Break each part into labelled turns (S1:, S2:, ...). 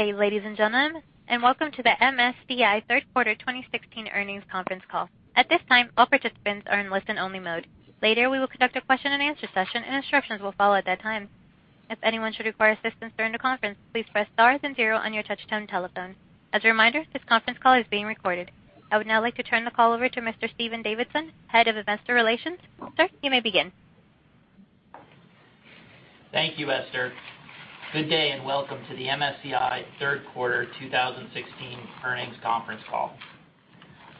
S1: Good day, ladies and gentlemen, and welcome to the MSCI Third Quarter 2016 Earnings Conference Call. At this time, all participants are in listen only mode. Later, we will conduct a question and answer session, and instructions will follow at that time. If anyone should require assistance during the conference, please press star then zero on your touchtone telephone. As a reminder, this conference call is being recorded. I would now like to turn the call over to Mr. Stephen Davidson, Head of Investor Relations. Sir, you may begin.
S2: Thank you, Esther. Good day, and welcome to the MSCI Third Quarter 2016 Earnings Conference Call.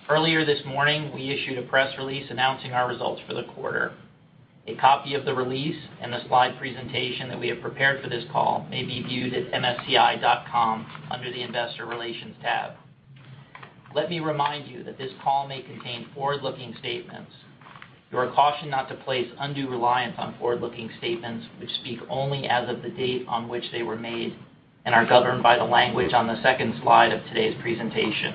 S2: Earlier this morning, we issued a press release announcing our results for the quarter. A copy of the release and the slide presentation that we have prepared for this call may be viewed at msci.com under the investor relations tab. Let me remind you that this call may contain forward-looking statements. You are cautioned not to place undue reliance on forward-looking statements, which speak only as of the date on which they were made and are governed by the language on the second slide of today's presentation.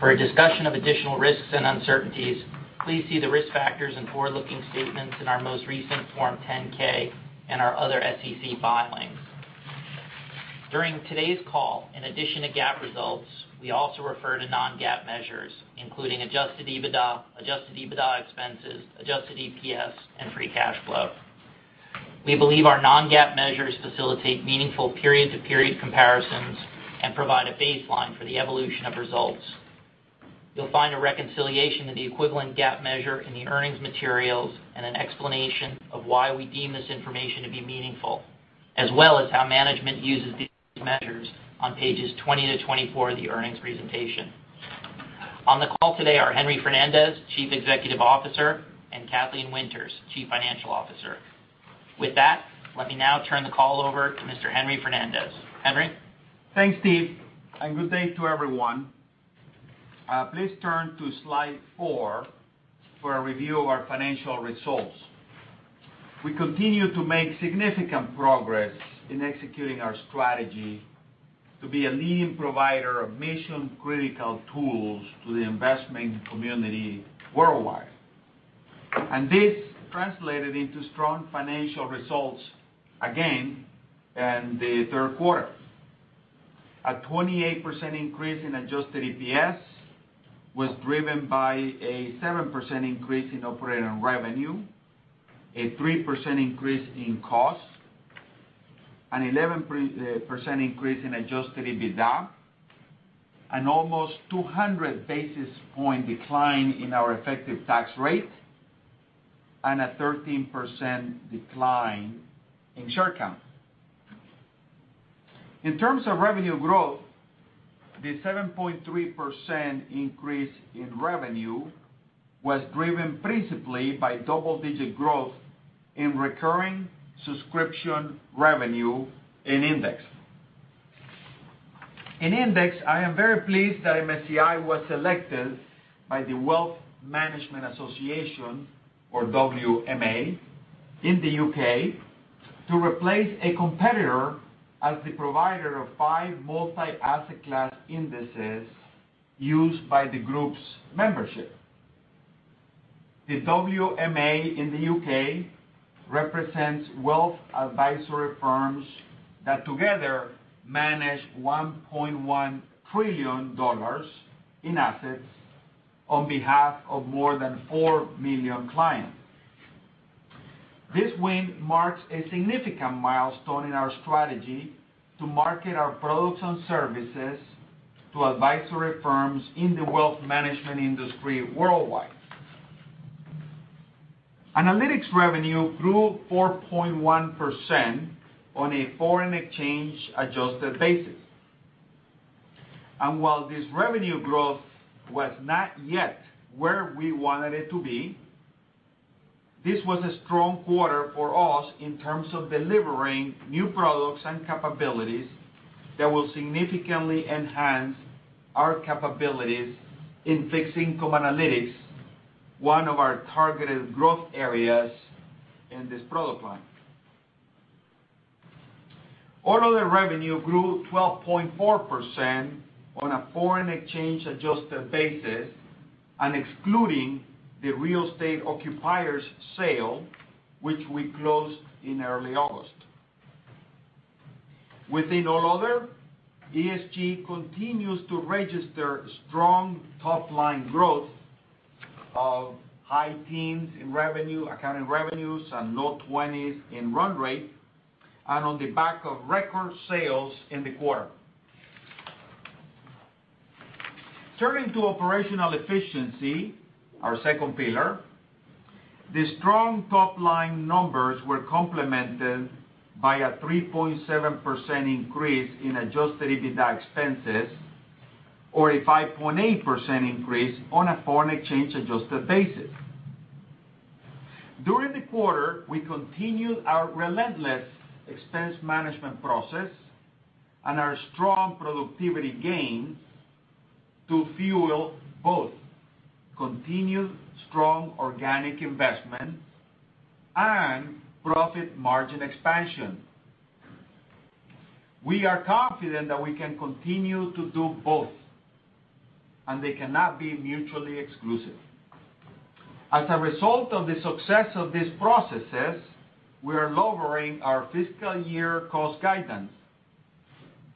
S2: For a discussion of additional risks and uncertainties, please see the risk factors and forward-looking statements in our most recent Form 10-K and our other SEC filings. During today's call, in addition to GAAP results, we also refer to non-GAAP measures, including adjusted EBITDA, adjusted EBITDA expenses, adjusted EPS, and free cash flow. We believe our non-GAAP measures facilitate meaningful period-to-period comparisons and provide a baseline for the evolution of results. You'll find a reconciliation of the equivalent GAAP measure in the earnings materials and an explanation of why we deem this information to be meaningful, as well as how management uses these measures on pages 20 to 24 of the earnings presentation. On the call today are Henry Fernandez, Chief Executive Officer, and Kathleen Winters, Chief Financial Officer. With that, let me now turn the call over to Mr. Henry Fernandez. Henry?
S3: Thanks, Steve, and good day to everyone. Please turn to Slide Four for a review of our financial results. We continue to make significant progress in executing our strategy to be a leading provider of mission-critical tools to the investment community worldwide. This translated into strong financial results again in the third quarter. A 28% increase in adjusted EPS was driven by a 7% increase in operating revenue, a 3% increase in cost, an 11% increase in adjusted EBITDA, an almost 200 basis point decline in our effective tax rate, and a 13% decline in share count. In terms of revenue growth, the 7.3% increase in revenue was driven principally by double-digit growth in recurring subscription revenue in Index. In Index, I am very pleased that MSCI was selected by the Wealth Management Association, or WMA, in the U.K. to replace a competitor as the provider of five multi-asset class indices used by the group's membership. The WMA in the U.K. represents wealth advisory firms that together manage $1.1 trillion in assets on behalf of more than four million clients. This win marks a significant milestone in our strategy to market our products and services to advisory firms in the wealth management industry worldwide. Analytics revenue grew 4.1% on a foreign exchange adjusted basis. While this revenue growth was not yet where we wanted it to be, this was a strong quarter for us in terms of delivering new products and capabilities that will significantly enhance our capabilities in fixed income analytics, one of our targeted growth areas in this product line. All other revenue grew 12.4% on a foreign exchange adjusted basis and excluding the Global Occupiers sale, which we closed in early August. Within all other, ESG continues to register strong top-line growth of high teens in revenue, accounting revenues, and low 20s in run rate and on the back of record sales in the quarter. Turning to operational efficiency, our second pillar, the strong top-line numbers were complemented by a 3.7% increase in adjusted EBITDA expenses or a 5.8% increase on a foreign exchange adjusted basis. During the quarter, we continued our relentless expense management process and our strong productivity gains to fuel both continued strong organic investment and profit margin expansion. We are confident that we can continue to do both. They cannot be mutually exclusive. As a result of the success of these processes, we are lowering our fiscal year cost guidance.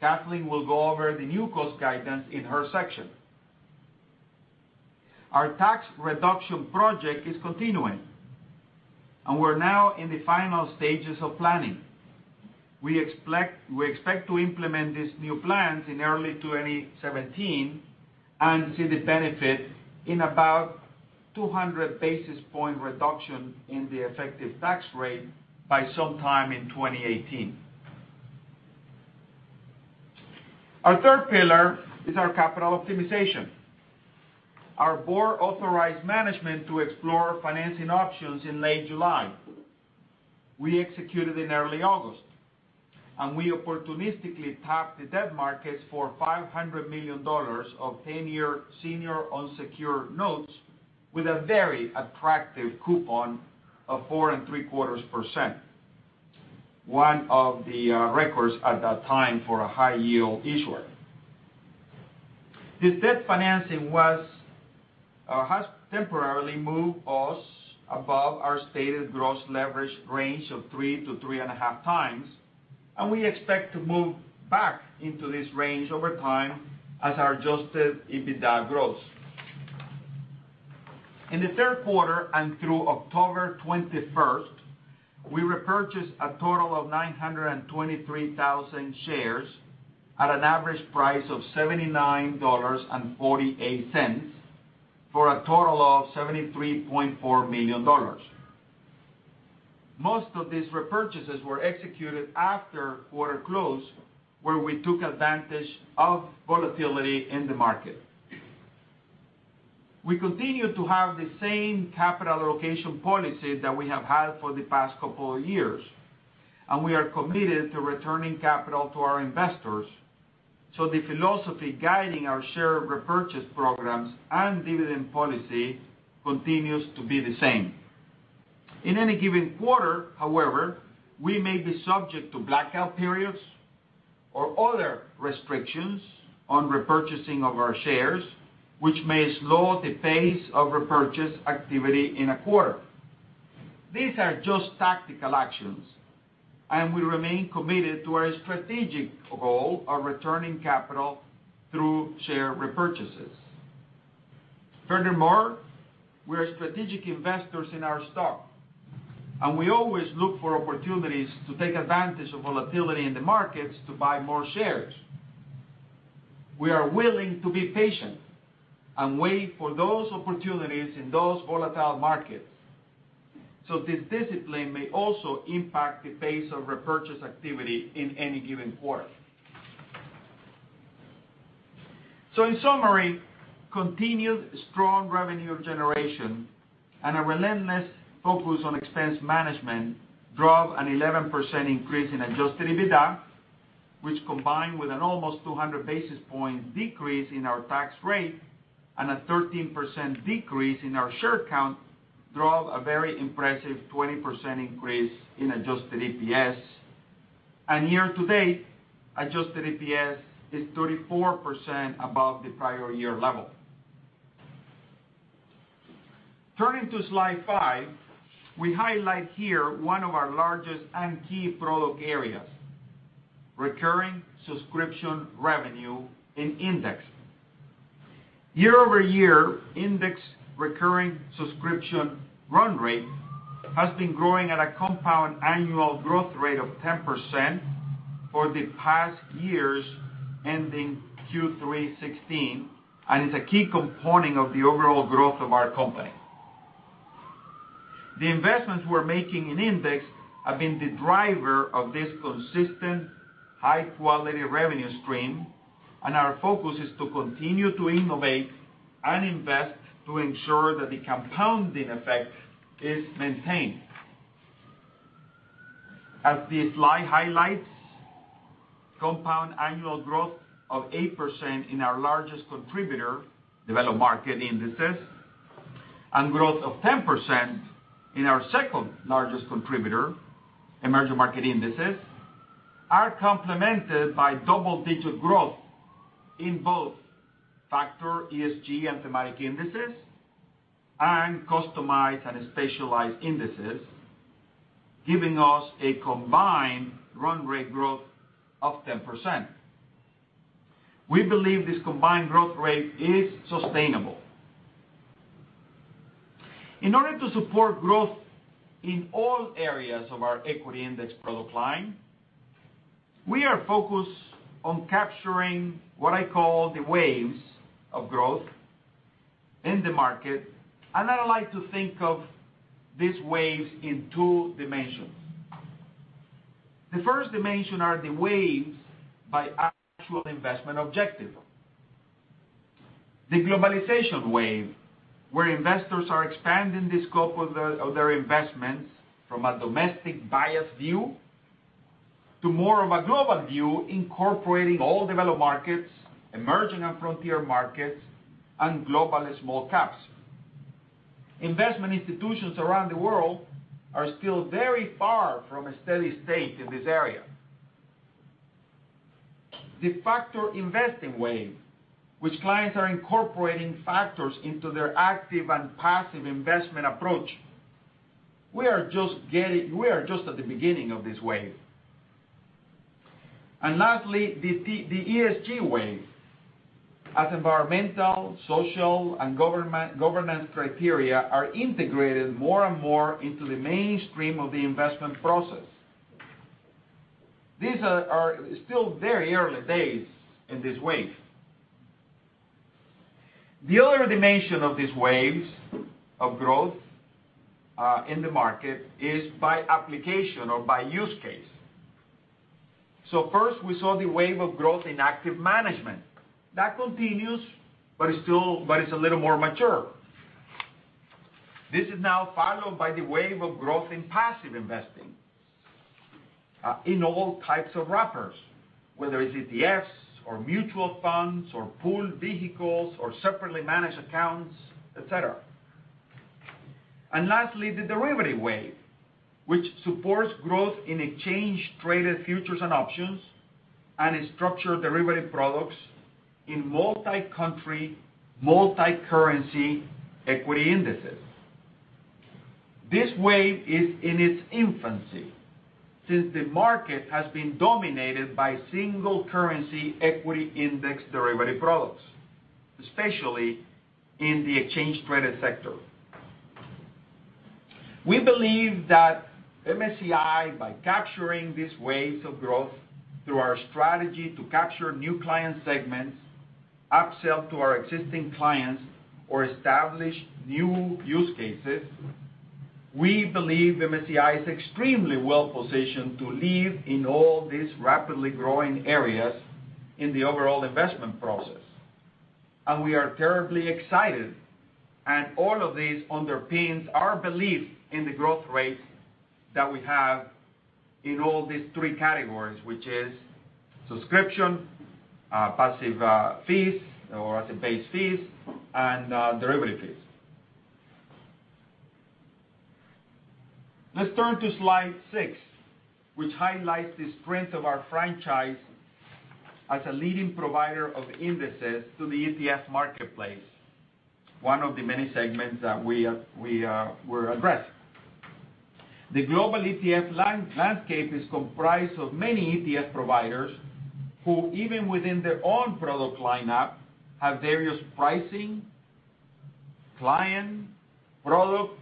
S3: Kathleen will go over the new cost guidance in her section. Our tax reduction project is continuing, and we're now in the final stages of planning. We expect to implement these new plans in early 2017 and see the benefit in about 200 basis point reduction in the effective tax rate by sometime in 2018. Our third pillar is our capital optimization. Our board authorized management to explore financing options in late July. We executed in early August, and we opportunistically tapped the debt markets for $500 million of 10-year senior unsecured notes with a very attractive coupon of 4.75%, one of the records at that time for a high-yield issuer. The debt financing has temporarily moved us above our stated gross leverage range of three to three and a half times, and we expect to move back into this range over time as our adjusted EBITDA grows. In the third quarter and through October 21st, we repurchased a total of 923,000 shares at an average price of $79.48, for a total of $73.4 million. Most of these repurchases were executed after quarter close, where we took advantage of volatility in the market. We continue to have the same capital allocation policy that we have had for the past couple of years, and we are committed to returning capital to our investors. The philosophy guiding our share repurchase programs and dividend policy continues to be the same. In any given quarter, however, we may be subject to blackout periods or other restrictions on repurchasing of our shares, which may slow the pace of repurchase activity in a quarter. These are just tactical actions. We remain committed to our strategic goal of returning capital through share repurchases. Furthermore, we are strategic investors in our stock, and we always look for opportunities to take advantage of volatility in the markets to buy more shares. We are willing to be patient and wait for those opportunities in those volatile markets. This discipline may also impact the pace of repurchase activity in any given quarter. In summary, continued strong revenue generation and a relentless focus on expense management drove an 11% increase in adjusted EBITDA, which combined with an almost 200 basis point decrease in our tax rate and a 13% decrease in our share count, drove a very impressive 20% increase in adjusted EPS. Year to date, adjusted EPS is 34% above the prior year level. Turning to slide five, we highlight here one of our largest and key product areas, recurring subscription revenue in Index. Year-over-year, Index recurring subscription run rate has been growing at a compound annual growth rate of 10% for the past years ending Q3 2016, and is a key component of the overall growth of our company. The investments we're making in Index have been the driver of this consistent, high-quality revenue stream, and our focus is to continue to innovate and invest to ensure that the compounding effect is maintained. As this slide highlights, compound annual growth of 8% in our largest contributor, developed market indices, and growth of 10% in our second-largest contributor, emerging market indices, are complemented by double-digit growth in both factor ESG and thematic indices and customized and specialized indices, giving us a combined run rate growth of 10%. We believe this combined growth rate is sustainable. In order to support growth in all areas of our equity index product line, we are focused on capturing what I call the waves of growth in the market. I like to think of these waves in two dimensions. The first dimension are the waves by actual investment objective. The globalization wave, where investors are expanding the scope of their investments from a domestic-biased view to more of a global view, incorporating all developed markets, emerging and frontier markets, and global small caps. Investment institutions around the world are still very far from a steady state in this area. The factor investing wave, which clients are incorporating factors into their active and passive investment approach. We are just at the beginning of this wave. Lastly, the ESG wave, as environmental, social, and governance criteria are integrated more and more into the mainstream of the investment process. These are still very early days in this wave. The other dimension of these waves of growth in the market is by application or by use case. First, we saw the wave of growth in active management. That continues, but it's a little more mature. This is now followed by the wave of growth in passive investing in all types of wrappers, whether it's ETFs or mutual funds or pooled vehicles or separately managed accounts, et cetera. Lastly, the derivative wave, which supports growth in exchange-traded futures and options and in structured derivative products in multi-country, multi-currency equity indices. This wave is in its infancy, since the market has been dominated by single-currency equity index derivative products, especially in the exchange-traded sector. We believe that MSCI, by capturing these waves of growth through our strategy to capture new client segments, upsell to our existing clients, or establish new use cases, we believe MSCI is extremely well-positioned to lead in all these rapidly growing areas in the overall investment process. We are terribly excited, and all of this underpins our belief in the growth rates that we have in all these three categories, which is subscription, passive fees, or asset-based fees, and derivative fees. Let's turn to slide seven, which highlights the strength of our franchise as a leading provider of indices to the ETF marketplace, one of the many segments that we are addressing. The global ETF landscape is comprised of many ETF providers, who, even within their own product lineup, have various pricing, client, product,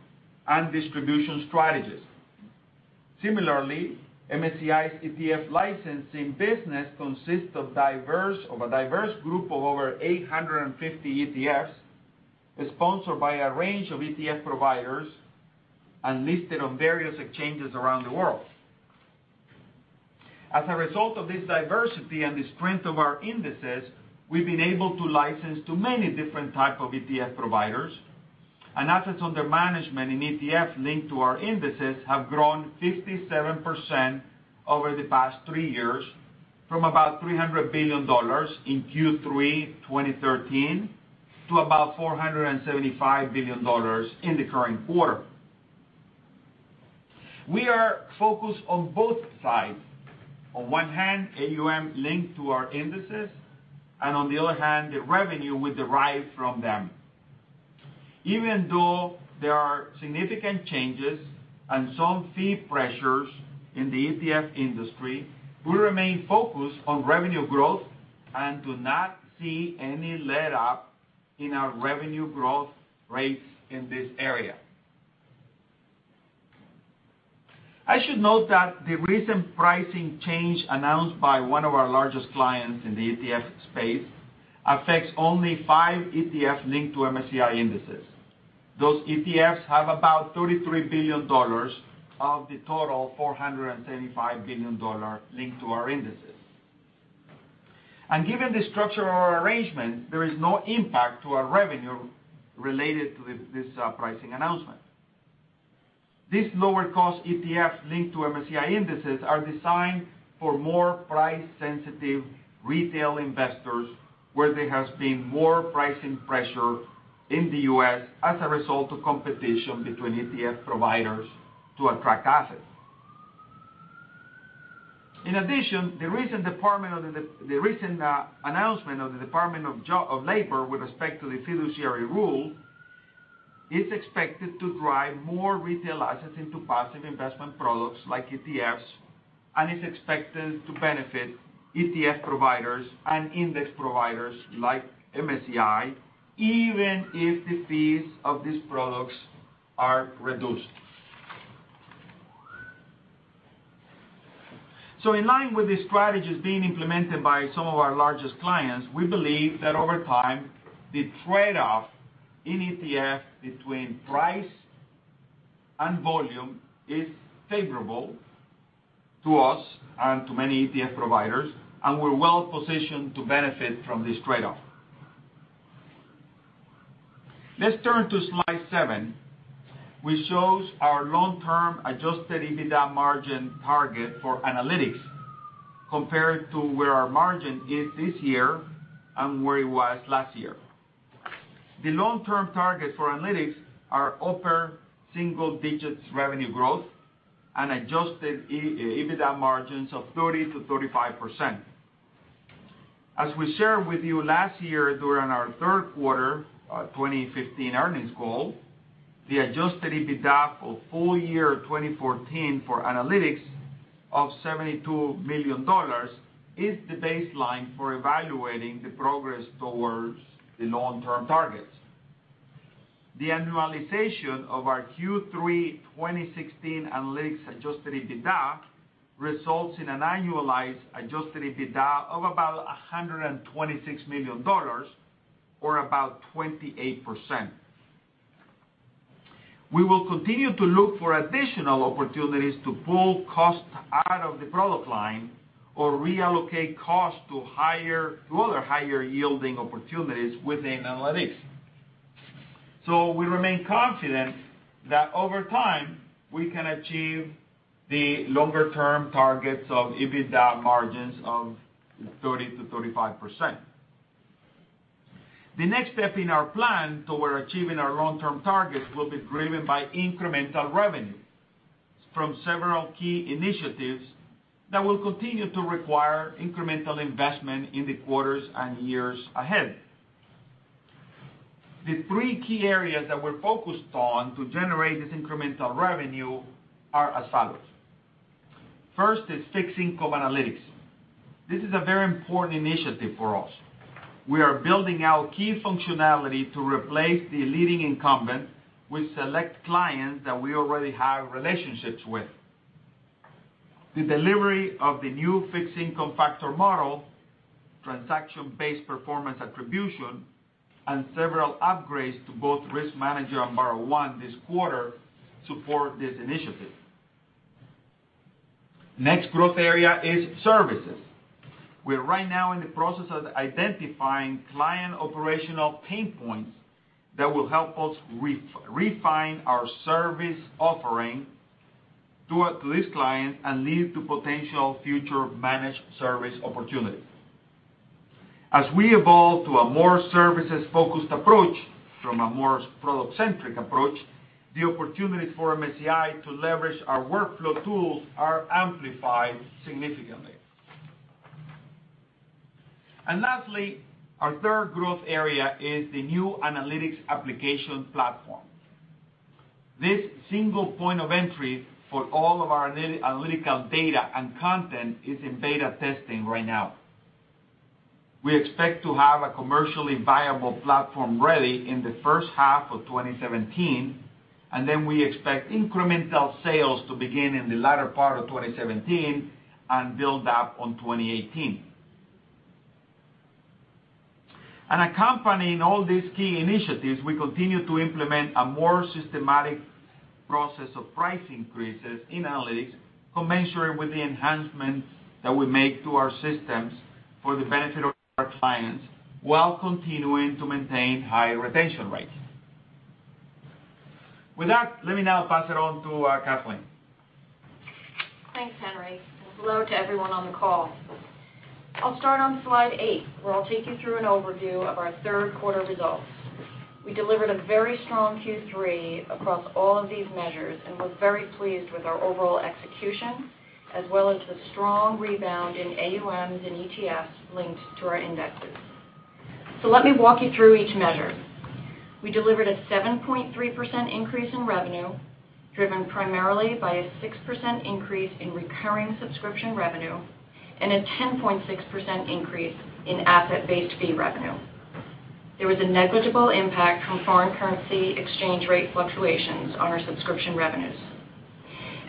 S3: and distribution strategies. Similarly, MSCI's ETF licensing business consists of a diverse group of over 850 ETFs, sponsored by a range of ETF providers and listed on various exchanges around the world. As a result of this diversity and the strength of our indices, we've been able to license to many different types of ETF providers, and assets under management in ETF linked to our indices have grown 57% over the past three years, from about $300 billion in Q3 2013 to about $475 billion in the current quarter. We are focused on both sides. On one hand, AUM linked to our indices, and on the other hand, the revenue we derive from them. Even though there are significant changes and some fee pressures in the ETF industry, we remain focused on revenue growth and do not see any letup in our revenue growth rates in this area. I should note that the recent pricing change announced by one of our largest clients in the ETF space affects only five ETFs linked to MSCI indices. Those ETFs have about $33 billion of the total $475 billion linked to our indices. Given the structure of our arrangement, there is no impact to our revenue related to this pricing announcement. These lower-cost ETFs linked to MSCI indices are designed for more price-sensitive retail investors, where there has been more pricing pressure in the U.S. as a result of competition between ETF providers to attract assets. In addition, the recent announcement of the Department of Labor with respect to the fiduciary rule is expected to drive more retail assets into passive investment products like ETFs and is expected to benefit ETF providers and index providers like MSCI, even if the fees of these products are reduced. In line with the strategies being implemented by some of our largest clients, we believe that over time, the trade-off in ETF between price and volume is favorable to us and to many ETF providers, and we're well-positioned to benefit from this trade-off. Let's turn to slide seven, which shows our long-term adjusted EBITDA margin target for analytics compared to where our margin is this year and where it was last year. The long-term targets for analytics are upper single-digits revenue growth and adjusted EBITDA margins of 30%-35%. As we shared with you last year during our third quarter 2015 earnings call, the adjusted EBITDA for full year 2014 for analytics of $72 million is the baseline for evaluating the progress towards the long-term targets. The annualization of our Q3 2016 analytics adjusted EBITDA results in an annualized adjusted EBITDA of about $126 million or about 28%. We will continue to look for additional opportunities to pull costs out of the product line or reallocate costs to other higher-yielding opportunities within analytics. We remain confident that over time, we can achieve the longer-term targets of EBITDA margins of 30%-35%. The next step in our plan toward achieving our long-term targets will be driven by incremental revenue from several key initiatives that will continue to require incremental investment in the quarters and years ahead. The three key areas that we are focused on to generate this incremental revenue are as follows. First is fixed income analytics. This is a very important initiative for us. We are building out key functionality to replace the leading incumbent with select clients that we already have relationships with. The delivery of the new fixed income factor model, transaction-based performance attribution, and several upgrades to both RiskManager and BarraOne this quarter support this initiative. Next growth area is services. We are right now in the process of identifying client operational pain points that will help us refine our service offering to these clients and lead to potential future managed service opportunities. As we evolve to a more services-focused approach from a more product-centric approach, the opportunities for MSCI to leverage our workflow tools are amplified significantly. Lastly, our third growth area is the new analytics application platform. This single point of entry for all of our analytical data and content is in beta testing right now. We expect to have a commercially viable platform ready in the first half of 2017. We expect incremental sales to begin in the latter part of 2017 and build up on 2018. Accompanying all these key initiatives, we continue to implement a more systematic process of price increases in analytics commensurate with the enhancements that we make to our systems for the benefit of our clients while continuing to maintain high retention rates. With that, let me now pass it on to Kathleen.
S4: Thanks, Henry. Hello to everyone on the call. I'll start on slide eight, where I'll take you through an overview of our third quarter results. We delivered a very strong Q3 across all of these measures and was very pleased with our overall execution as well as the strong rebound in AUMs and ETFs linked to our indexes. Let me walk you through each measure. We delivered a 7.3% increase in revenue, driven primarily by a 6% increase in recurring subscription revenue and a 10.6% increase in asset-based fee revenue. There was a negligible impact from foreign currency exchange rate fluctuations on our subscription revenues.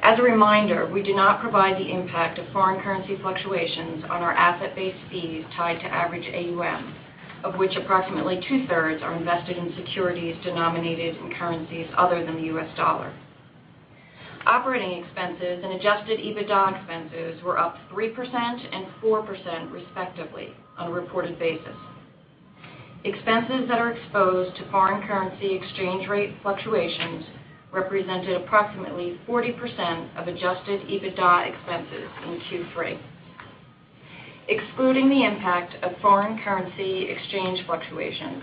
S4: As a reminder, we do not provide the impact of foreign currency fluctuations on our asset-based fees tied to average AUM, of which approximately two-thirds are invested in securities denominated in currencies other than the US dollar. Operating expenses and adjusted EBITDA expenses were up 3% and 4%, respectively, on a reported basis. Expenses that are exposed to foreign currency exchange rate fluctuations represented approximately 40% of adjusted EBITDA expenses in Q3. Excluding the impact of foreign currency exchange fluctuations,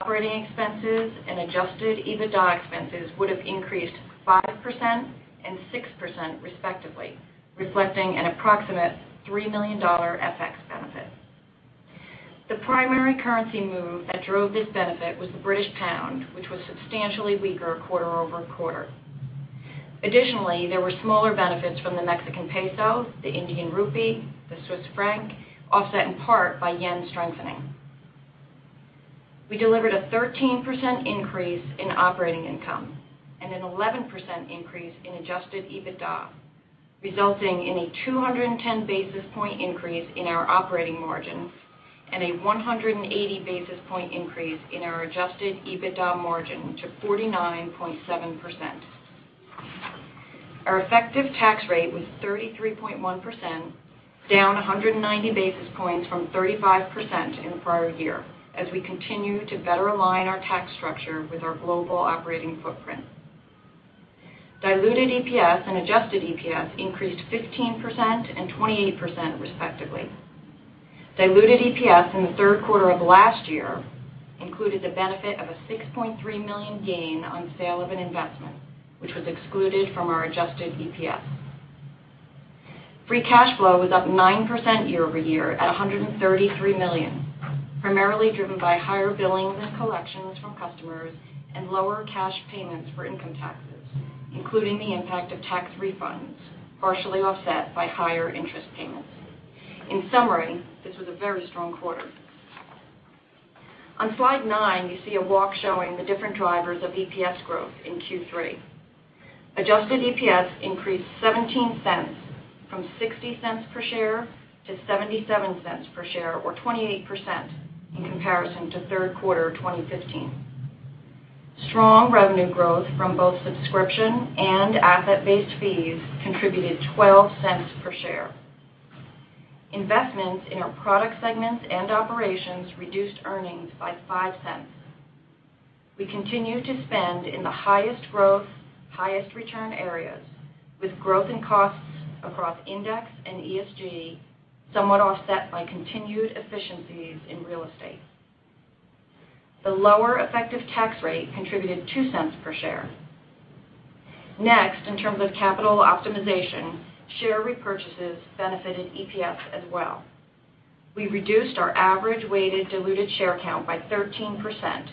S4: operating expenses and adjusted EBITDA expenses would have increased 5% and 6%, respectively, reflecting an approximate $3 million FX benefit. The primary currency move that drove this benefit was the British pound, which was substantially weaker quarter-over-quarter. Additionally, there were smaller benefits from the Mexican peso, the Indian rupee, the Swiss franc, offset in part by yen strengthening. We delivered a 13% increase in operating income and an 11% increase in adjusted EBITDA, resulting in a 210-basis-point increase in our operating margins and a 180-basis-point increase in our adjusted EBITDA margin to 49.7%. Our effective tax rate was 33.1%, down 190 basis points from 35% in the prior year as we continue to better align our tax structure with our global operating footprint. Diluted EPS and adjusted EPS increased 15% and 28%, respectively. Diluted EPS in the third quarter of last year included the benefit of a $6.3 million gain on sale of an investment, which was excluded from our adjusted EPS. Free cash flow was up 9% year-over-year at $133 million, primarily driven by higher billings and collections from customers and lower cash payments for income taxes, including the impact of tax refunds, partially offset by higher interest payments. In summary, this was a very strong quarter. On slide nine, you see a walk showing the different drivers of EPS growth in Q3. Adjusted EPS increased $0.17 from $0.60 per share to $0.77 per share, or 28%, in comparison to third quarter 2015. Strong revenue growth from both subscription and asset-based fees contributed $0.12 per share. Investments in our product segments and operations reduced earnings by $0.05. We continue to spend in the highest growth, highest return areas with growth in costs across Index and ESG, somewhat offset by continued efficiencies in real estate. The lower effective tax rate contributed $0.02 per share. In terms of capital optimization, share repurchases benefited EPS as well. We reduced our average weighted diluted share count by 13%,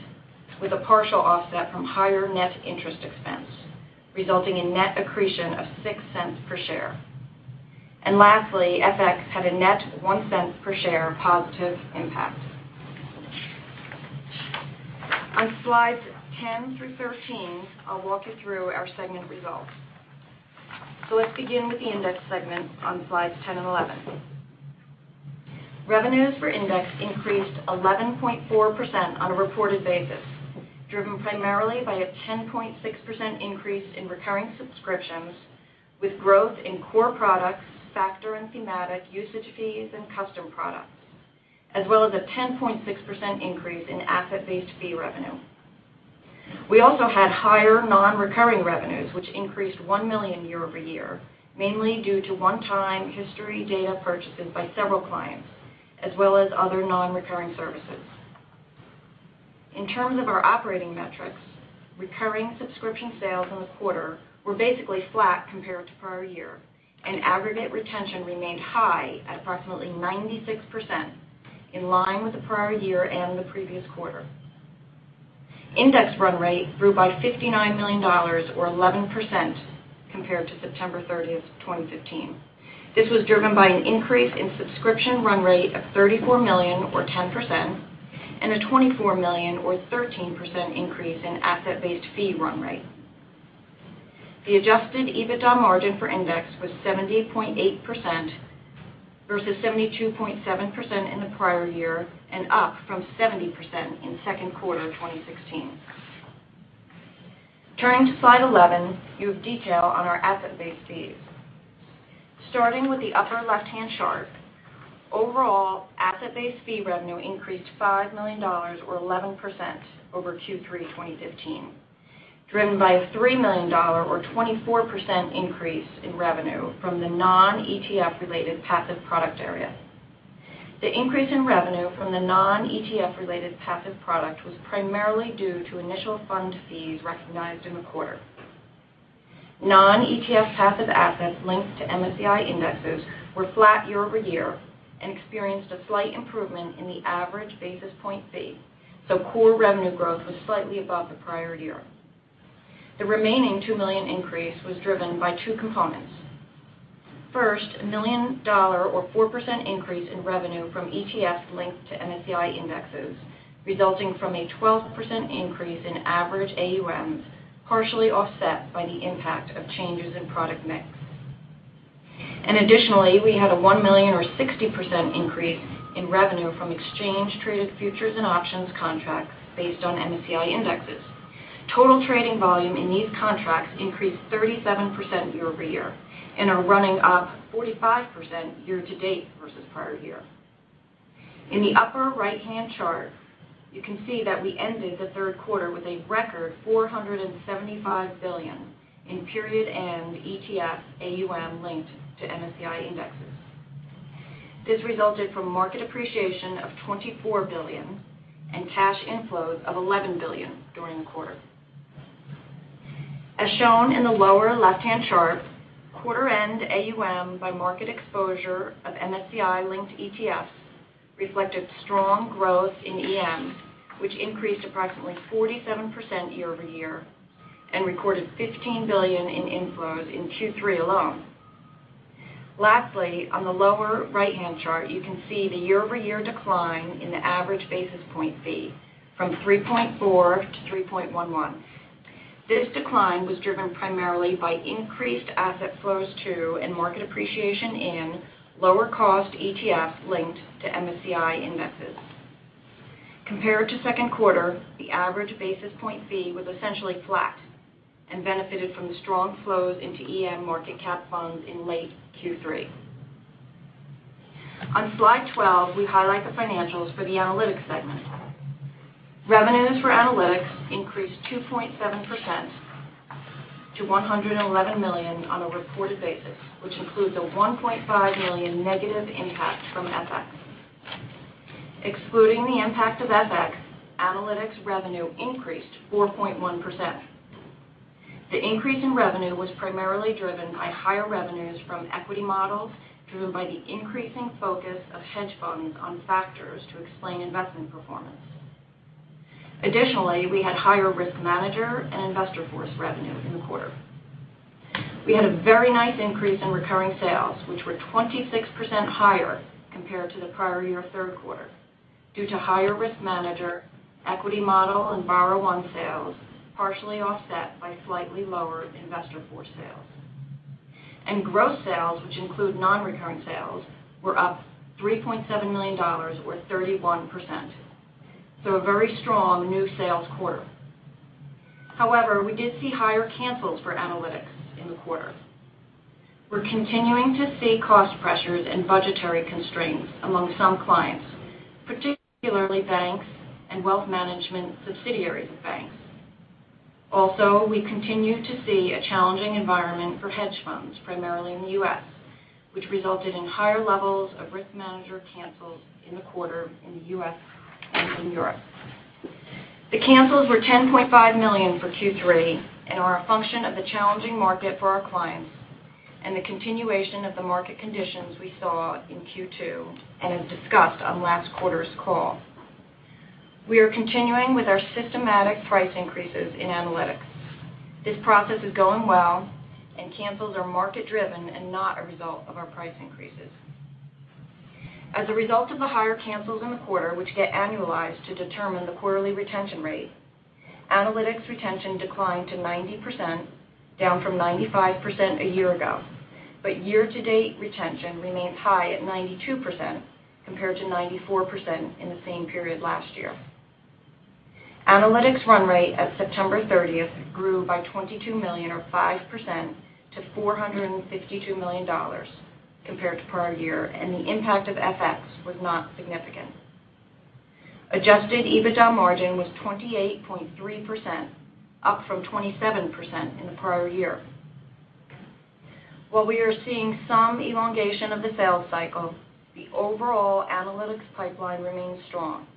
S4: with a partial offset from higher net interest expense, resulting in net accretion of $0.06 per share. Lastly, FX had a net $0.01 per share positive impact. On slides 10 through 13, I'll walk you through our segment results. Let's begin with the Index segment on slides 10 and 11. Revenues for Index increased 11.4% on a reported basis, driven primarily by a 10.6% increase in recurring subscriptions, with growth in core products, factor and thematic usage fees, and custom products, as well as a 10.6% increase in asset-based fee revenue. We also had higher non-recurring revenues, which increased $1 million year-over-year, mainly due to one-time history data purchases by several clients, as well as other non-recurring services. In terms of our operating metrics, recurring subscription sales in the quarter were basically flat compared to prior year, and aggregate retention remained high at approximately 96%, in line with the prior year and the previous quarter. Index run rate grew by $59 million or 11% compared to September 30th, 2015. This was driven by an increase in subscription run rate of $34 million or 10%, and a $24 million or 13% increase in asset-based fee run rate. The adjusted EBITDA margin for Index was 70.8% versus 72.7% in the prior year and up from 70% in second quarter 2016. Turning to slide 11, you have detail on our asset-based fees. Starting with the upper left-hand chart, overall asset-based fee revenue increased $5 million or 11% over Q3 2015, driven by a $3 million or 24% increase in revenue from the non-ETF related passive product area. The increase in revenue from the non-ETF related passive product was primarily due to initial fund fees recognized in the quarter. Non-ETF passive assets linked to MSCI indexes were flat year-over-year and experienced a slight improvement in the average basis point fee, so core revenue growth was slightly above the prior year. The remaining $2 million increase was driven by two components. First, a $1 million or 4% increase in revenue from ETFs linked to MSCI indexes, resulting from a 12% increase in average AUMs, partially offset by the impact of changes in product mix. Additionally, we had a $1 million or 60% increase in revenue from exchange traded futures and options contracts based on MSCI indexes. Total trading volume in these contracts increased 37% year-over-year and are running up 45% year-to-date versus prior year. In the upper right-hand chart, you can see that we ended the third quarter with a record $475 billion in period end ETF AUM linked to MSCI indexes. This resulted from market appreciation of $24 billion and cash inflows of $11 billion during the quarter. As shown in the lower left-hand chart, quarter-end AUM by market exposure of MSCI-linked ETFs reflected strong growth in EM, which increased approximately 47% year-over-year and recorded $15 billion in inflows in Q3 alone. Lastly, on the lower right-hand chart, you can see the year-over-year decline in the average basis point fee from 3.4 to 3.11. This decline was driven primarily by increased asset flows to and market appreciation in lower cost ETF linked to MSCI indexes. Compared to second quarter, the average basis point fee was essentially flat and benefited from the strong flows into EM market cap funds in late Q3. On slide 12, we highlight the financials for the Analytics segment. Revenues for Analytics increased 2.7% to $111 million on a reported basis, which includes a $1.5 million negative impact from FX. Excluding the impact of FX, Analytics revenue increased 4.1%. The increase in revenue was primarily driven by higher revenues from equity models, driven by the increasing focus of hedge funds on factors to explain investment performance. Additionally, we had higher RiskManager and InvestorForce revenue in the quarter. We had a very nice increase in recurring sales, which were 26% higher compared to the prior year third quarter, due to higher RiskManager, equity model, and BarraOne sales, partially offset by slightly lower InvestorForce sales. Gross sales, which include non-recurring sales, were up $3.7 million or 31%. A very strong new sales quarter. However, we did see higher cancels for Analytics in the quarter. We're continuing to see cost pressures and budgetary constraints among some clients, particularly banks and wealth management subsidiaries of banks. We continue to see a challenging environment for hedge funds, primarily in the U.S., which resulted in higher levels of RiskManager cancels in the quarter in the U.S. and in Europe. The cancels were $10.5 million for Q3 and are a function of the challenging market for our clients and the continuation of the market conditions we saw in Q2 and as discussed on last quarter's call. We are continuing with our systematic price increases in analytics. This process is going well, and cancels are market-driven and not a result of our price increases. As a result of the higher cancels in the quarter, which get annualized to determine the quarterly retention rate, analytics retention declined to 90%, down from 95% a year ago. Year-to-date retention remains high at 92%, compared to 94% in the same period last year. Analytics run rate at September 30th grew by $22 million or 5% to $452 million compared to prior year, and the impact of FX was not significant. Adjusted EBITDA margin was 28.3%, up from 27% in the prior year. While we are seeing some elongation of the sales cycle, the overall analytics pipeline remains strong,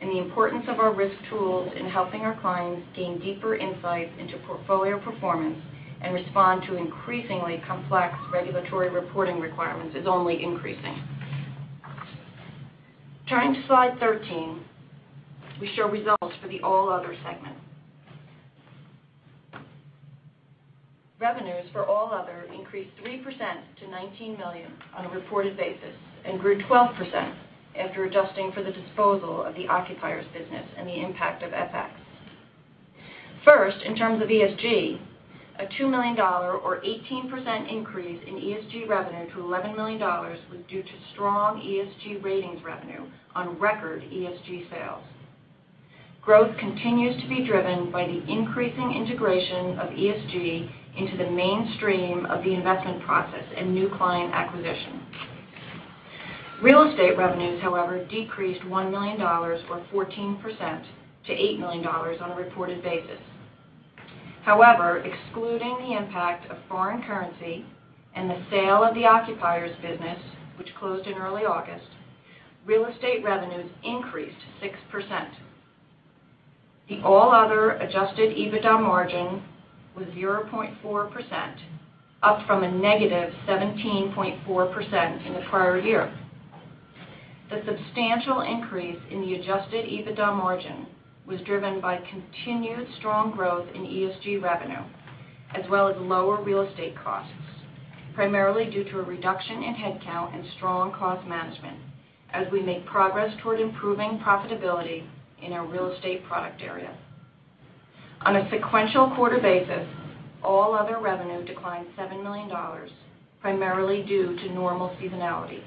S4: and the importance of our risk tools in helping our clients gain deeper insights into portfolio performance and respond to increasingly complex regulatory reporting requirements is only increasing. Turning to slide 13, we show results for the all other segment. Revenues for all other increased 3% to $19 million on a reported basis, and grew 12% after adjusting for the disposal of the Global Occupiers business and the impact of FX. In terms of ESG, a $2 million or 18% increase in ESG revenue to $11 million was due to strong ESG ratings revenue on record ESG sales. Growth continues to be driven by the increasing integration of ESG into the mainstream of the investment process and new client acquisition. Real estate revenues, however, decreased $1 million or 14% to $8 million on a reported basis. Excluding the impact of foreign currency and the sale of the Global Occupiers business, which closed in early August, real estate revenues increased 6%. The all other adjusted EBITDA margin was 0.4%, up from a negative 17.4% in the prior year. The substantial increase in the adjusted EBITDA margin was driven by continued strong growth in ESG revenue, as well as lower real estate costs, primarily due to a reduction in headcount and strong cost management as we make progress toward improving profitability in our real estate product area. On a sequential quarter basis, all other revenue declined $7 million, primarily due to normal seasonality.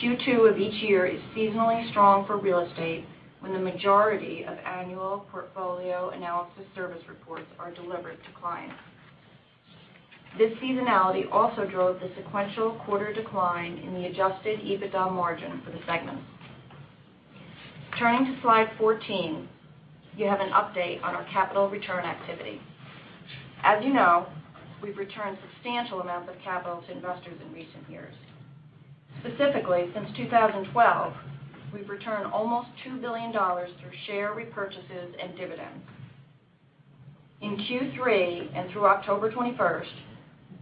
S4: Q2 of each year is seasonally strong for real estate when the majority of annual portfolio analysis service reports are delivered to clients. This seasonality also drove the sequential quarter decline in the adjusted EBITDA margin for the segment. Turning to slide 14, you have an update on our capital return activity. As you know, we've returned substantial amounts of capital to investors in recent years. Specifically, since 2012, we've returned almost $2 billion through share repurchases and dividends. In Q3 and through October 21st,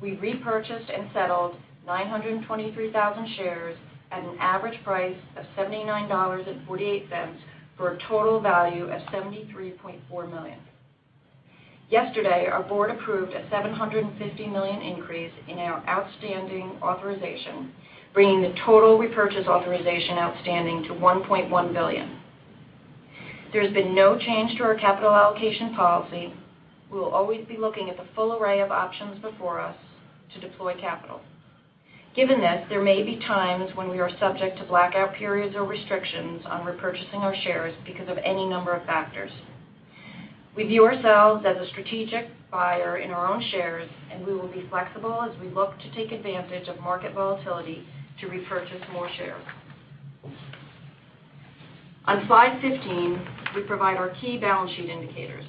S4: we repurchased and settled 923,000 shares at an average price of $79.48 for a total value of $73.4 million. Yesterday, our board approved a $750 million increase in our outstanding authorization, bringing the total repurchase authorization outstanding to $1.1 billion. There has been no change to our capital allocation policy. We will always be looking at the full array of options before us to deploy capital. Given that, there may be times when we are subject to blackout periods or restrictions on repurchasing our shares because of any number of factors. We view ourselves as a strategic buyer in our own shares, and we will be flexible as we look to take advantage of market volatility to repurchase more shares. On slide 15, we provide our key balance sheet indicators.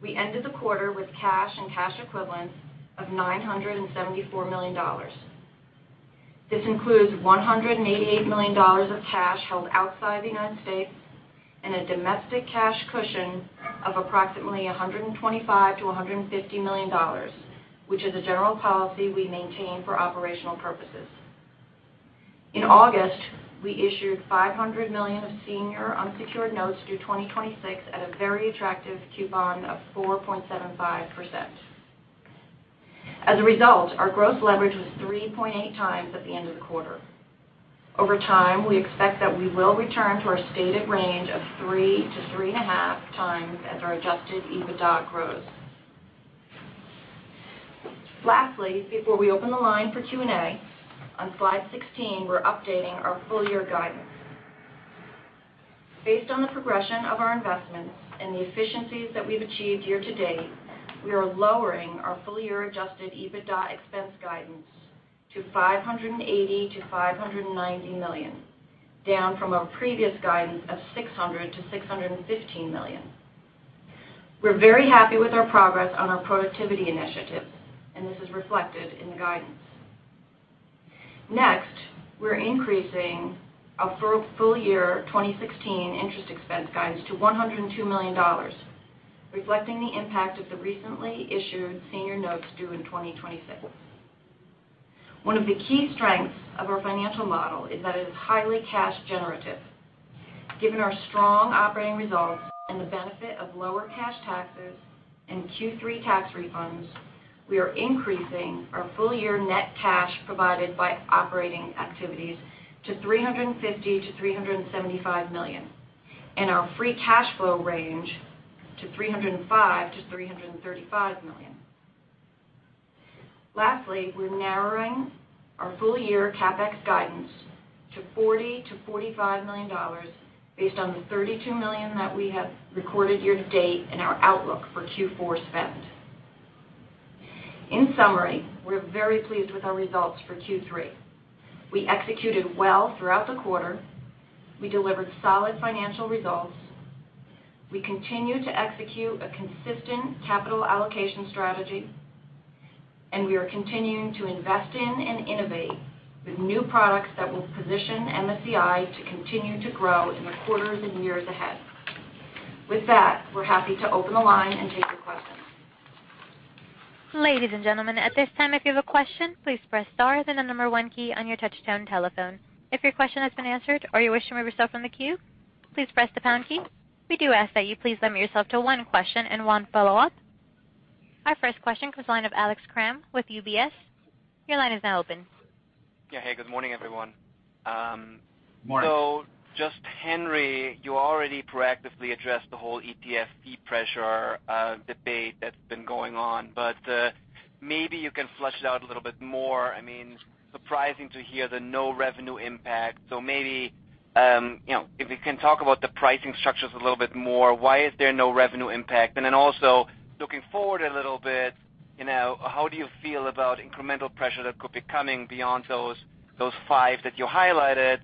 S4: We ended the quarter with cash and cash equivalents of $974 million. This includes $188 million of cash held outside the United States and a domestic cash cushion of approximately $125 million-$150 million, which is a general policy we maintain for operational purposes. In August, we issued $500 million of senior unsecured notes due 2026 at a very attractive coupon of 4.75%. As a result, our gross leverage was 3.8 times at the end of the quarter. Over time, we expect that we will return to our stated range of three to three and a half times as our adjusted EBITDA grows. Lastly, before we open the line for Q&A, on slide 16, we're updating our full-year guidance. Based on the progression of our investments and the efficiencies that we've achieved year to date, we are lowering our full-year adjusted EBITDA expense guidance to $580 million-$590 million, down from our previous guidance of $600 million-$615 million. We're very happy with our progress on our productivity initiatives, and this is reflected in the guidance. Next, we're increasing our full-year 2016 interest expense guidance to $102 million, reflecting the impact of the recently issued senior notes due in 2026. One of the key strengths of our financial model is that it is highly cash generative. Given our strong operating results and the benefit of lower cash taxes in Q3 tax refunds, we are increasing our full-year net cash provided by operating activities to $350 million-$375 million, and our free cash flow range to $305 million-$335 million. Lastly, we're narrowing our full-year CapEx guidance to $40 million-$45 million based on the $32 million that we have recorded year to date and our outlook for Q4 spend. In summary, we're very pleased with our results for Q3. We executed well throughout the quarter. We delivered solid financial results. We continue to execute a consistent capital allocation strategy, and we are continuing to invest in and innovate with new products that will position MSCI to continue to grow in the quarters and years ahead. With that, we're happy to open the line and take your questions.
S1: Ladies and gentlemen, at this time, if you have a question, please press star, then the number one key on your touch-tone telephone. If your question has been answered or you're wishing to remove yourself from the queue, please press the pound key. We do ask that you please limit yourself to one question and one follow-up. Our first question comes the line of Alex Kramm with UBS. Your line is now open.
S5: Yeah. Hey, good morning, everyone.
S4: Morning.
S5: Just, Henry, you already proactively addressed the whole ETF fee pressure debate that's been going on, but maybe you can flesh it out a little bit more. Surprising to hear the no revenue impact. Maybe, if you can talk about the pricing structures a little bit more. Why is there no revenue impact? Also, looking forward a little bit, how do you feel about incremental pressure that could be coming beyond those five that you highlighted?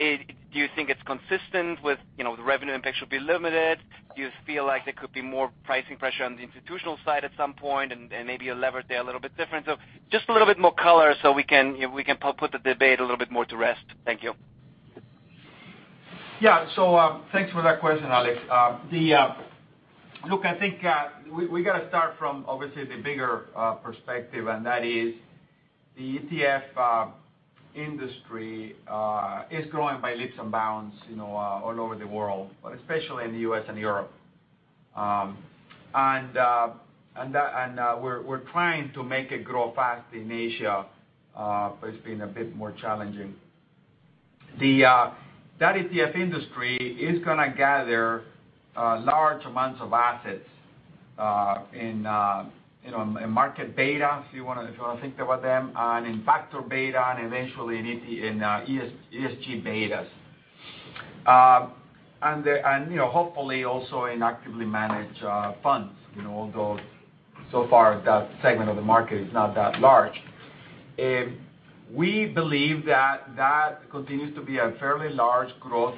S5: Do you think it's consistent with the revenue impact should be limited? Do you feel like there could be more pricing pressure on the institutional side at some point and maybe your leverage there a little bit different? Just a little bit more color so we can put the debate a little bit more to rest. Thank you.
S3: Yeah. Thanks for that question, Alex. Look, I think we got to start from obviously the bigger perspective, and that is the ETF industry is growing by leaps and bounds all over the world, but especially in the U.S. and Europe. We're trying to make it grow fast in Asia, but it's been a bit more challenging. That ETF industry is going to gather large amounts of assets in market beta, if you want to think about them, and in factor beta and eventually in ESG betas. Hopefully also in actively managed funds, although so far that segment of the market is not that large. We believe that that continues to be a fairly large growth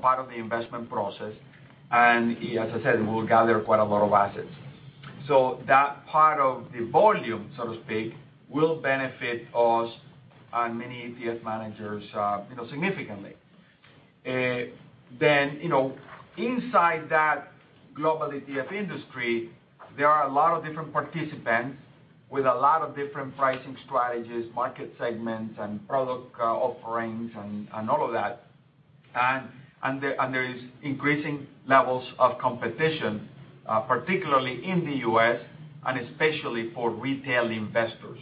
S3: part of the investment process, and as I said, will gather quite a lot of assets.
S4: That part of the volume, so to speak, will benefit us and many ETF managers significantly. Inside that global ETF industry, there are a lot of different participants with a lot of different pricing strategies, market segments, and product offerings, and all of that. There is increasing levels of competition, particularly in the U.S. and especially for retail investors.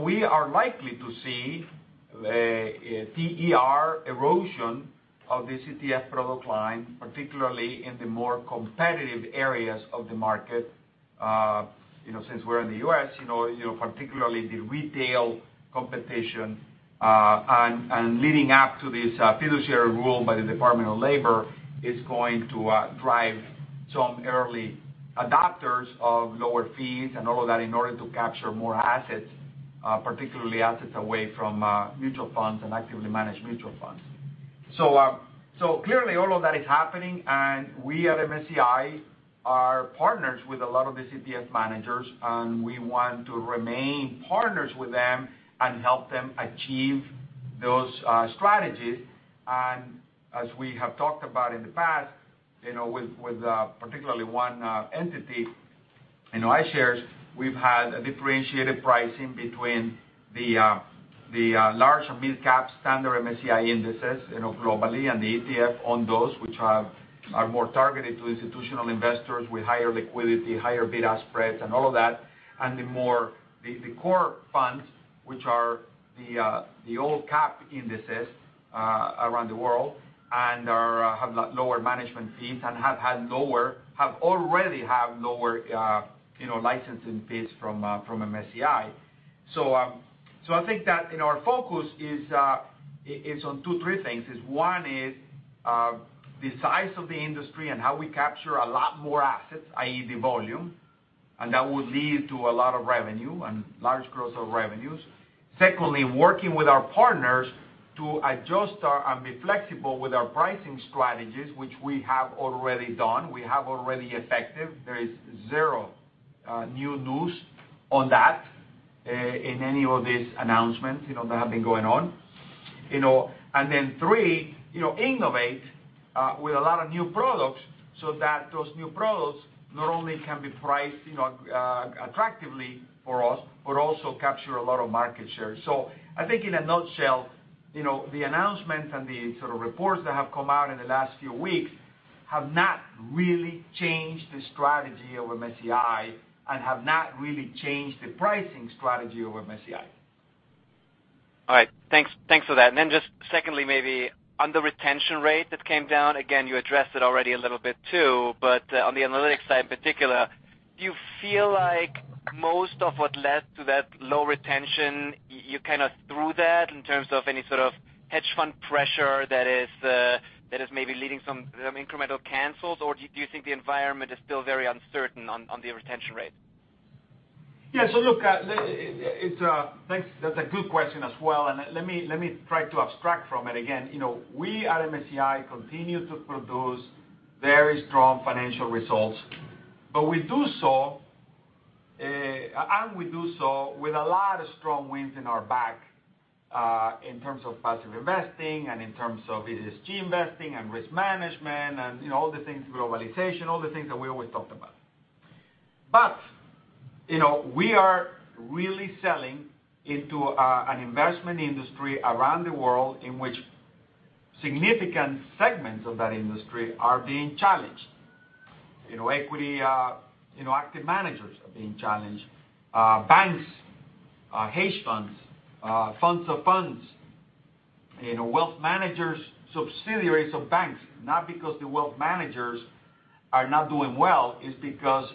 S4: We are likely to see a TER erosion of this ETF product line, particularly in the more competitive areas of the market
S3: Since we're in the U.S., particularly the retail competition, leading up to this fiduciary rule by the Department of Labor, is going to drive some early adopters of lower fees and all of that in order to capture more assets, particularly assets away from mutual funds and actively managed mutual funds. Clearly all of that is happening, and we at MSCI are partners with a lot of these ETF managers, and we want to remain partners with them and help them achieve those strategies. As we have talked about in the past, with particularly one entity in iShares, we've had a differentiated pricing between the large and mid-cap standard MSCI indices globally and the ETF on those, which are more targeted to institutional investors with higher liquidity, higher beta spreads, and all of that. The core funds, which are the all cap indices around the world, have lower management fees and have already have lower licensing fees from MSCI. I think that our focus is on two, three things. One is the size of the industry and how we capture a lot more assets, i.e., the volume, and that will lead to a lot of revenue and large growth of revenues. Secondly, working with our partners to adjust and be flexible with our pricing strategies, which we have already done. We have already effective. There is zero new news on that in any of these announcements that have been going on. Innovate with a lot of new products so that those new products not only can be priced attractively for us but also capture a lot of market share. I think in a nutshell, the announcements and the sort of reports that have come out in the last few weeks have not really changed the strategy of MSCI and have not really changed the pricing strategy of MSCI.
S5: All right. Thanks for that. Just secondly, maybe on the retention rate that came down, again, you addressed it already a little bit too, but on the analytics side in particular, do you feel like most of what led to that low retention, you kind of through that in terms of any sort of hedge fund pressure that is maybe leading some incremental cancels, or do you think the environment is still very uncertain on the retention rate?
S3: Yeah. Look, that's a good question as well, and let me try to abstract from it again. We at MSCI continue to produce very strong financial results, and we do so with a lot of strong winds in our back in terms of passive investing and in terms of ESG investing and risk management and all the things, globalization, all the things that we always talked about. We are really selling into an investment industry around the world in which significant segments of that industry are being challenged. Equity active managers are being challenged. Banks, hedge funds of funds, wealth managers, subsidiaries of banks, not because the wealth managers are not doing well, it's because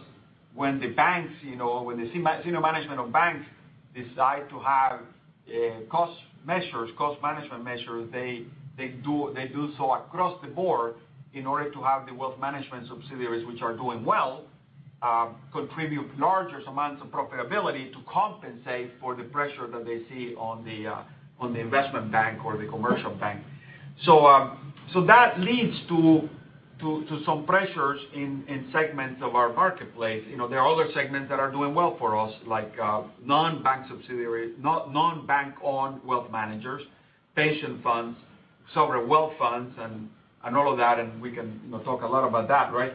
S3: when the senior management of banks decide to have cost management measures, they do so across the board in order to have the wealth management subsidiaries which are doing well contribute larger amounts of profitability to compensate for the pressure that they see on the investment bank or the commercial bank. That leads to some pressures in segments of our marketplace. There are other segments that are doing well for us, like non-bank subsidiaries, non-bank-owned wealth managers, pension funds, sovereign wealth funds, and all of that, and we can talk a lot about that, right?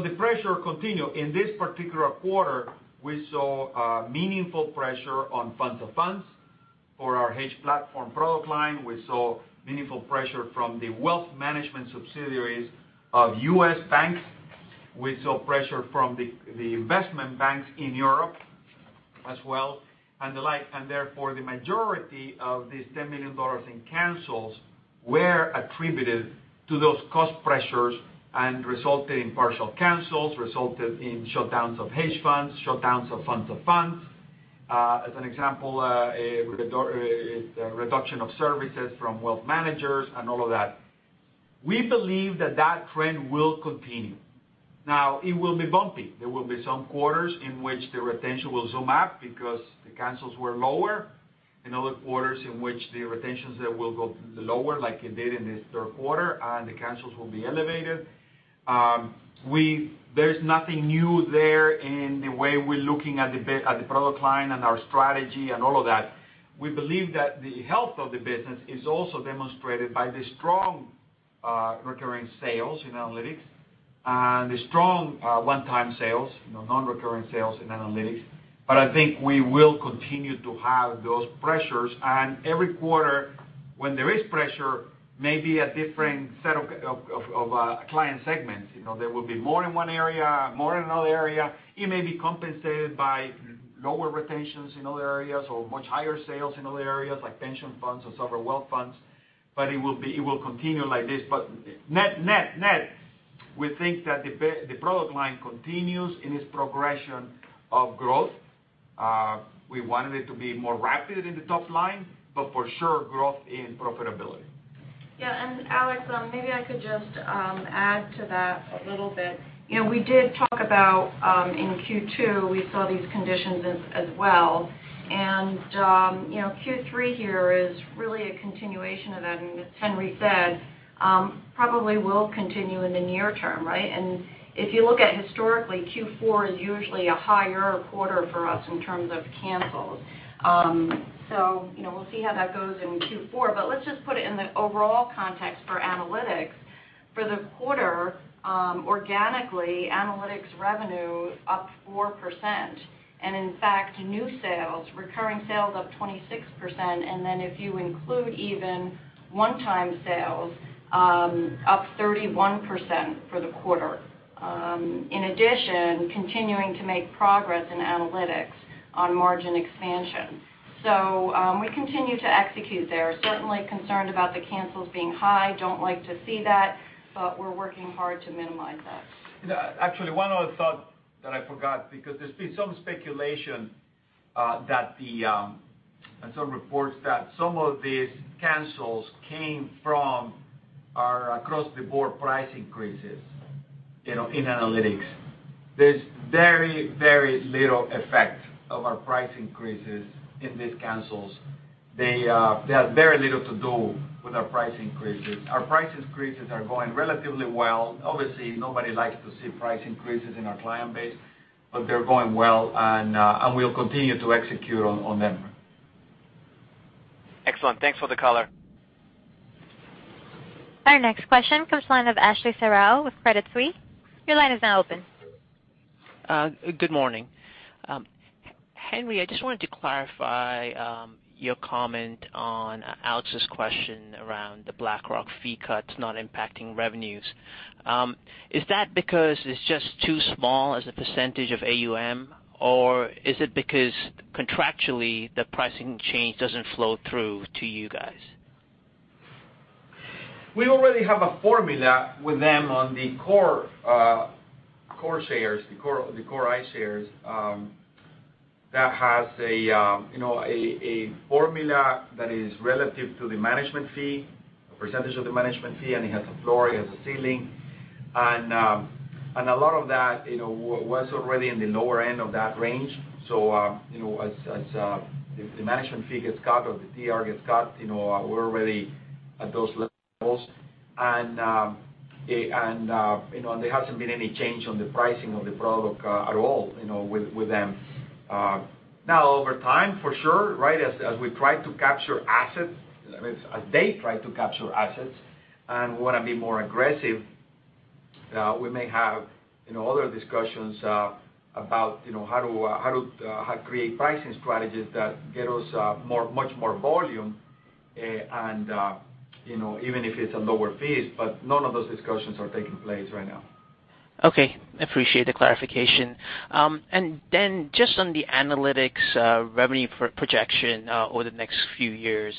S3: The pressure continue. In this particular quarter, we saw meaningful pressure on funds of funds for our HedgePlatform product line. We saw meaningful pressure from the wealth management subsidiaries of U.S. banks. We saw pressure from the investment banks in Europe as well and the like. Therefore, the majority of these $10 million in cancels were attributed to those cost pressures and resulted in partial cancels, resulted in shutdowns of hedge funds, shutdowns of funds of funds. As an example, a reduction of services from wealth managers and all of that. We believe that that trend will continue. Now, it will be bumpy. There will be some quarters in which the retention will zoom up because the cancels were lower, and other quarters in which the retentions there will go lower like it did in this third quarter, and the cancels will be elevated. There's nothing new there in the way we're looking at the product line and our strategy and all of that. We believe that the health of the business is also demonstrated by the strong recurring sales in analytics and the strong one-time sales, non-recurring sales in analytics. I think we will continue to have those pressures, and every quarter when there is pressure, maybe a different set of client segments. There will be more in one area, more in another area. It may be compensated by lower retentions in other areas or much higher sales in other areas, like pension funds or sovereign wealth funds, but it will continue like this. Net-net, we think that the product line continues in its progression of growth. We wanted it to be more rapid in the top line, but for sure, growth in profitability.
S4: Alex, maybe I could just add to that a little bit. We did talk about in Q2, we saw these conditions as well. Q3 here is really a continuation of that, and as Henry said, probably will continue in the near term, right? If you look at historically, Q4 is usually a higher quarter for us in terms of cancels. We'll see how that goes in Q4. Let's just put it in the overall context for analytics. For the quarter, organically, analytics revenue up 4%, and in fact, new sales, recurring sales up 26%. If you include even one-time sales, up 31% for the quarter. In addition, continuing to make progress in analytics on margin expansion. We continue to execute there. Certainly concerned about the cancels being high, don't like to see that, we're working hard to minimize that.
S3: Actually, one other thought that I forgot, because there's been some speculation and some reports that some of these cancels came from our across-the-board price increases in analytics. There's very little effect of our price increases in these cancels. They have very little to do with our price increases. Our price increases are going relatively well. Obviously, nobody likes to see price increases in our client base, but they're going well, and we'll continue to execute on them.
S5: Excellent. Thanks for the color.
S1: Our next question comes from the line of Ashley Serrao with Credit Suisse. Your line is now open.
S6: Good morning. Henry, I just wanted to clarify your comment on Alex's question around the BlackRock fee cuts not impacting revenues. Is that because it's just too small as a percentage of AUM, or is it because contractually, the pricing change doesn't flow through to you guys?
S3: We already have a formula with them on the core shares, the iShares Core, that has a formula that is relative to the management fee, a percentage of the management fee, and it has a floor, it has a ceiling. A lot of that was already in the lower end of that range. As the management fee gets cut or the TER gets cut, we're already at those levels. There hasn't been any change on the pricing of the product at all with them. Now, over time, for sure, as we try to capture assets, as they try to capture assets and want to be more aggressive, we may have other discussions about how to create pricing strategies that get us much more volume even if it's at lower fees. None of those discussions are taking place right now.
S6: Okay. Appreciate the clarification. Just on the analytics revenue projection over the next few years,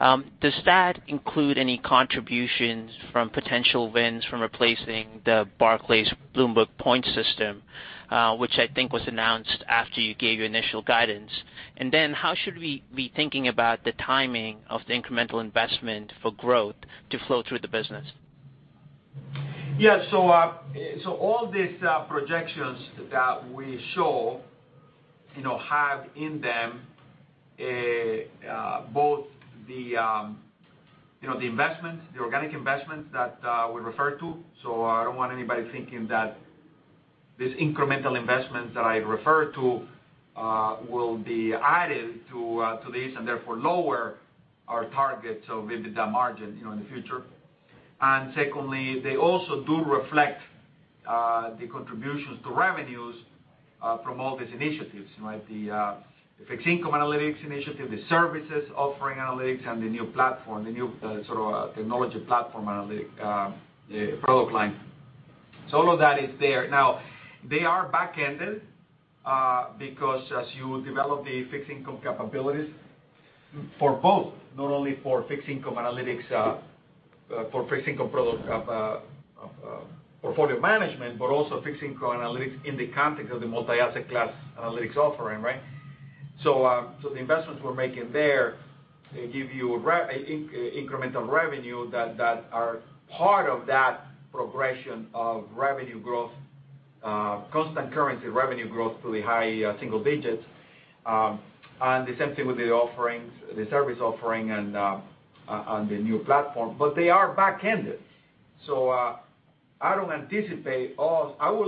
S6: does that include any contributions from potential wins from replacing the Barclays Bloomberg POINT system, which I think was announced after you gave your initial guidance? How should we be thinking about the timing of the incremental investment for growth to flow through the business?
S3: All these projections that we show have in them both the investment, the organic investment that we refer to. I don't want anybody thinking that this incremental investment that I refer to will be added to these and therefore lower our target of EBITDA margin in the future. Secondly, they also do reflect the contributions to revenues from all these initiatives, like the fixed income analytics initiative, the services offering analytics, and the new platform, the new sort of technology platform analytics product line. All of that is there. They are back-ended because as you develop the fixed income capabilities for both, not only for fixed income analytics, for fixed income product of portfolio management, but also fixed income analytics in the context of the multi-asset class analytics offering, right? The investments we're making there give you incremental revenue that are part of that progression of revenue growth, constant currency revenue growth to the high single digits. The same thing with the service offering on the new platform. They are back-ended. I will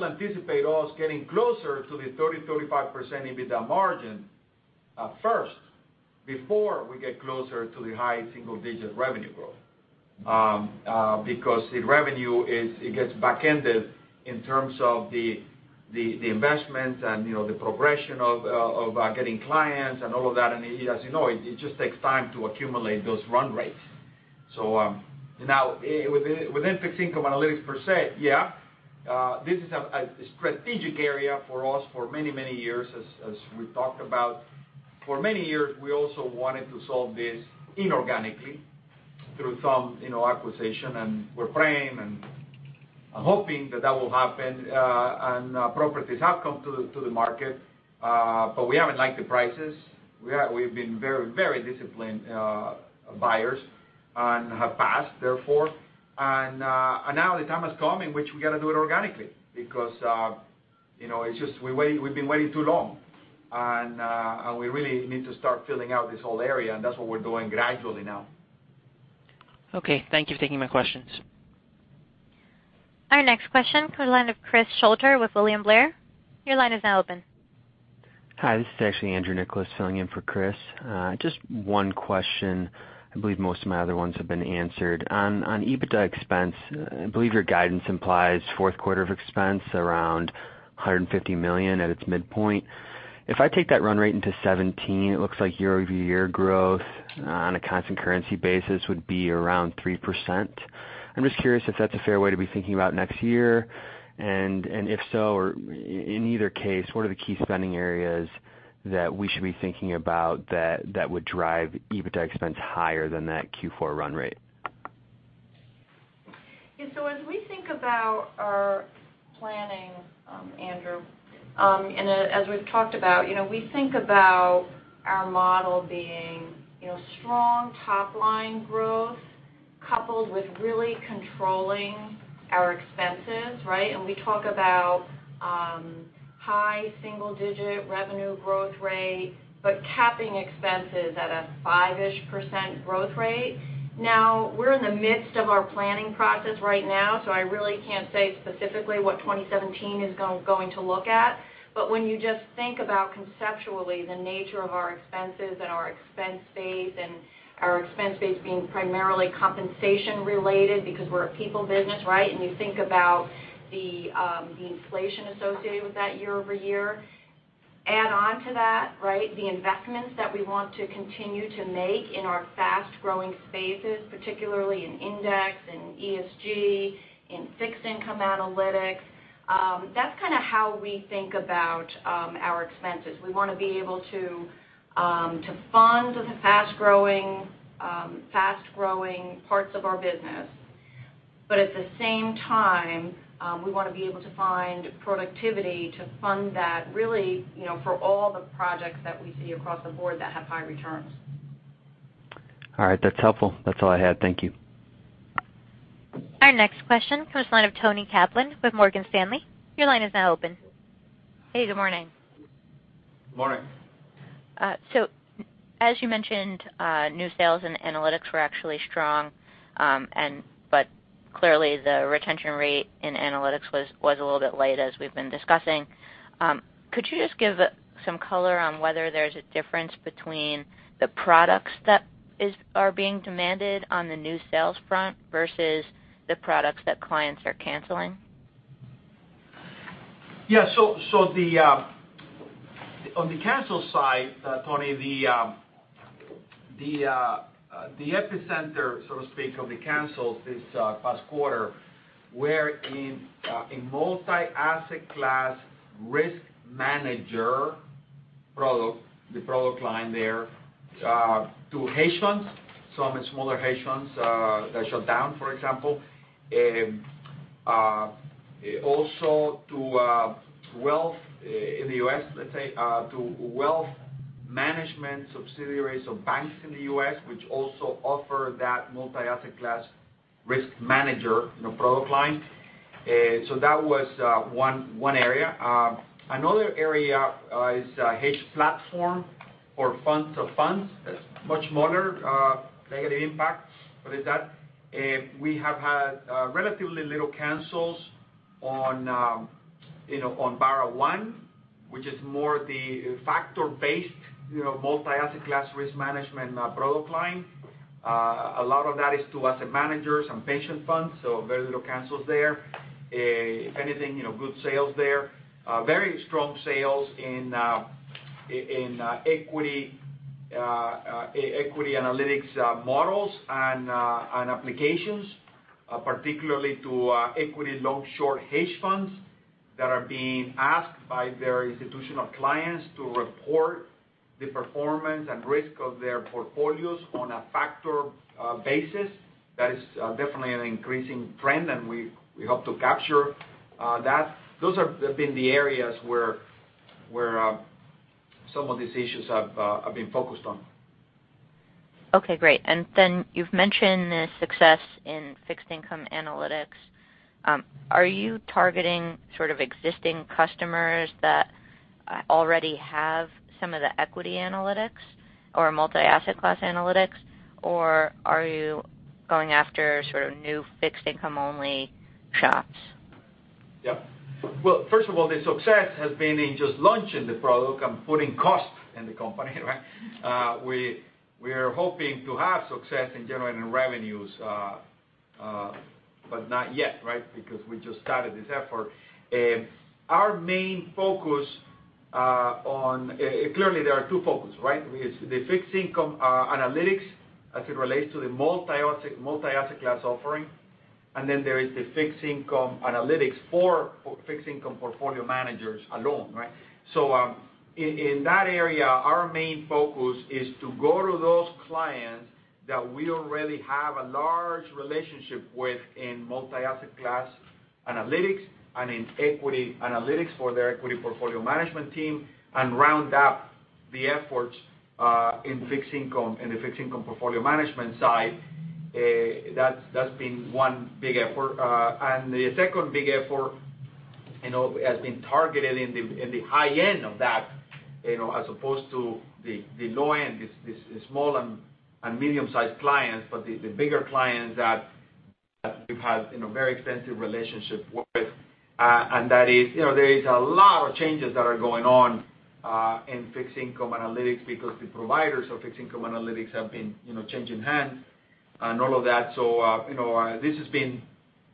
S3: anticipate us getting closer to the 30%-35% EBITDA margin first before we get closer to the high single-digit revenue growth. The revenue, it gets back-ended in terms of the investments and the progression of getting clients and all of that. As you know, it just takes time to accumulate those run rates. Now within fixed income analytics per se, this is a strategic area for us for many years, as we've talked about. For many years, we also wanted to solve this inorganically through some acquisition, and we're praying and hoping that that will happen, and properties have come to the market. We haven't liked the prices. We've been very disciplined buyers and have passed, therefore. Now the time has come in which we got to do it organically because we've been waiting too long, and we really need to start filling out this whole area, and that's what we're doing gradually now.
S6: Okay. Thank you for taking my questions.
S1: Our next question comes the line of Chris Shutler with William Blair. Your line is now open.
S7: Hi, this is actually Andrew Nicholas filling in for Chris. Just one question. I believe most of my other ones have been answered. On EBITDA expense, I believe your guidance implies fourth quarter of expense around $150 million at its midpoint. If I take that run rate into 2017, it looks like year-over-year growth on a constant currency basis would be around 3%. I'm just curious if that's a fair way to be thinking about next year, and if so, or in either case, what are the key spending areas that we should be thinking about that would drive EBITDA expense higher than that Q4 run rate?
S4: Yeah. As we think about our planning, Andrew, as we've talked about, we think about our model being strong top-line growth coupled with really controlling our expenses, right? We talk about high single-digit revenue growth rate, but capping expenses at a 5-ish% growth rate. We're in the midst of our planning process right now, so I really can't say specifically what 2017 is going to look at. When you just think about conceptually the nature of our expenses and our expense base, our expense base being primarily compensation-related because we're a people business, right? You think about the inflation associated with that year-over-year. Add on to that the investments that we want to continue to make in our fast-growing spaces, particularly in index, in ESG, in fixed income analytics. That's kind of how we think about our expenses. We want to be able to fund the fast-growing parts of our business. At the same time, we want to be able to find productivity to fund that, really for all the projects that we see across the board that have high returns.
S7: All right. That's helpful. That's all I had. Thank you.
S1: Our next question comes the line of Toni Kaplan with Morgan Stanley. Your line is now open.
S8: Hey, good morning.
S3: Morning.
S8: As you mentioned, new sales and analytics were actually strong, but clearly the retention rate in analytics was a little bit light as we've been discussing. Could you just give some color on whether there's a difference between the products that are being demanded on the new sales front versus the products that clients are canceling?
S3: Yeah. On the cancel side, Toni, the epicenter, so to speak, of the cancels this past quarter were in multi-asset class RiskManager product, the product line there, to hedge funds, some smaller hedge funds that shut down, for example. Also to wealth in the U.S., let's say, to wealth management subsidiaries of banks in the U.S., which also offer that multi-asset class RiskManager product line. That was one area. Another area is HedgePlatform for funds of funds. That's much smaller negative impact with that. We have had relatively little cancels on BarraOne, which is more the factor-based multi-asset class risk management product line. A lot of that is to asset managers and pension funds, so very little cancels there. If anything, good sales there. Very strong sales in equity analytics models and applications, particularly to equity long-short hedge funds that are being asked by their institutional clients to report the performance and risk of their portfolios on a factor basis. That is definitely an increasing trend, and we hope to capture that. Those have been the areas where some of these issues have been focused on.
S8: Okay, great. Then you've mentioned the success in fixed income analytics. Are you targeting sort of existing customers that already have some of the equity analytics or multi-asset class analytics, or are you going after sort of new fixed income only shops?
S3: Yeah. Well, first of all, the success has been in just launching the product and putting costs in the company, right? We are hoping to have success in generating revenues, but not yet, right? We just started this effort. Clearly, there are two focuses, right? The fixed income analytics as it relates to the multi-asset class offering. Then there is the fixed income analytics for fixed income portfolio managers alone. In that area, our main focus is to go to those clients that we already have a large relationship with in multi-asset class analytics and in equity analytics for their equity portfolio management team, and round up the efforts in the fixed income portfolio management side. That's been one big effort. The second big effort has been targeted in the high end of that, as opposed to the low end, the small and medium-sized clients, but the bigger clients that we've had very extensive relationships with. There is a lot of changes that are going on in fixed income analytics because the providers of fixed income analytics have been changing hands and all of that. This has been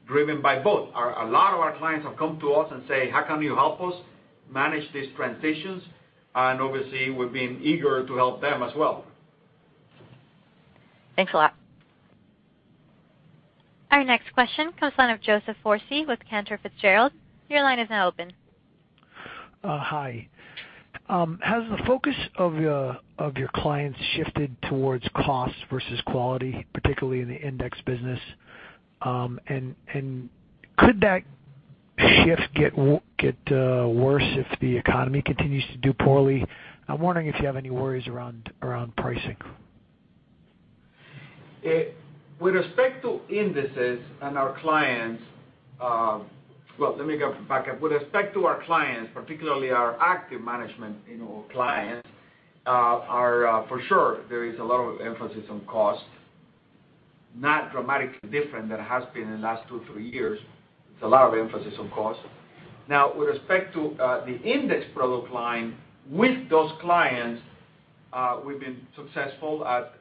S3: driven by both. A lot of our clients have come to us and say, "How can you help us manage these transitions?" Obviously, we've been eager to help them as well.
S8: Thanks a lot.
S1: Our next question comes on of Joseph Foresi with Cantor Fitzgerald. Your line is now open.
S9: Hi. Has the focus of your clients shifted towards cost versus quality, particularly in the index business? Could that shift get worse if the economy continues to do poorly? I'm wondering if you have any worries around pricing.
S3: With respect to indices and our clients-- Well, let me go back. With respect to our clients, particularly our active management clients, for sure, there is a lot of emphasis on cost. Not dramatically different than it has been in the last two, three years. It's a lot of emphasis on cost. With respect to the index product line, with those clients, we've been successful at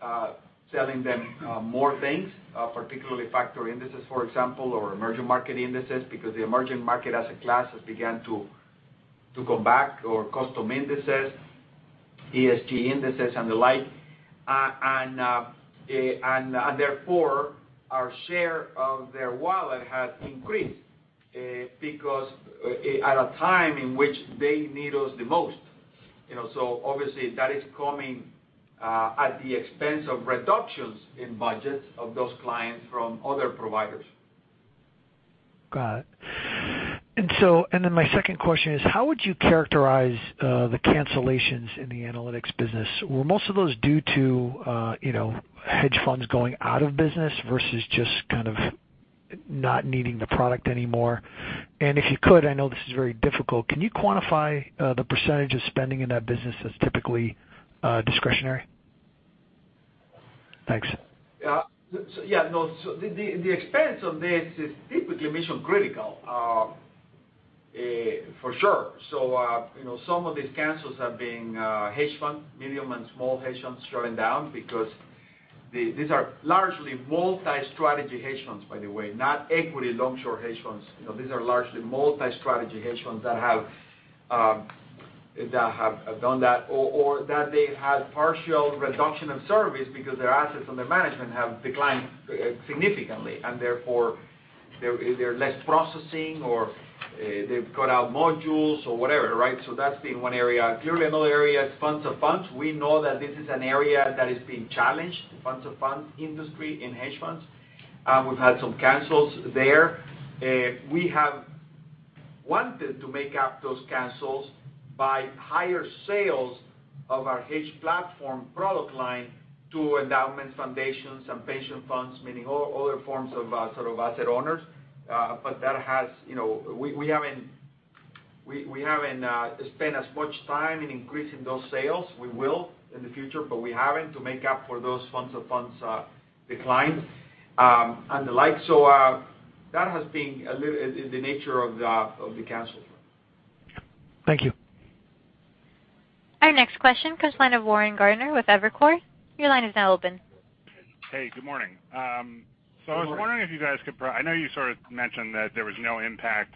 S3: selling them more things, particularly factor indices, for example, or emerging market indices, because the emerging market as a class has began to come back or custom indices, ESG indices and the like. Therefore, our share of their wallet has increased at a time in which they need us the most. Obviously, that is coming at the expense of reductions in budgets of those clients from other providers.
S9: Got it. My second question is, how would you characterize the cancellations in the analytics business? Were most of those due to hedge funds going out of business versus just kind of not needing the product anymore? If you could, I know this is very difficult, can you quantify the % of spending in that business that's typically discretionary? Thanks.
S3: Yeah. The expense of this is typically mission-critical, for sure. Some of these cancels have been hedge funds, medium and small hedge funds shutting down because these are largely multi-strategy hedge funds, by the way, not equity long, short hedge funds. These are largely multi-strategy hedge funds that have done that, or that they had partial reduction of service because their assets under management have declined significantly, therefore there's less processing or they've cut out modules or whatever. That's been one area. Clearly, another area is funds of funds. We know that this is an area that is being challenged, the funds of funds industry in hedge funds. We've had some cancels there. We have wanted to make up those cancels by higher sales of our HedgePlatform product line to endowments, foundations, foundation funds, meaning other forms of sort of asset owners. We haven't spent as much time in increasing those sales. We will in the future, but we haven't to make up for those funds of funds decline and the like. That has been a little in the nature of the cancels.
S9: Thank you.
S1: Our next question comes line of Warren Gardiner with Evercore. Your line is now open.
S10: Hey, good morning.
S3: Good morning.
S10: I know you sort of mentioned that there was no impact,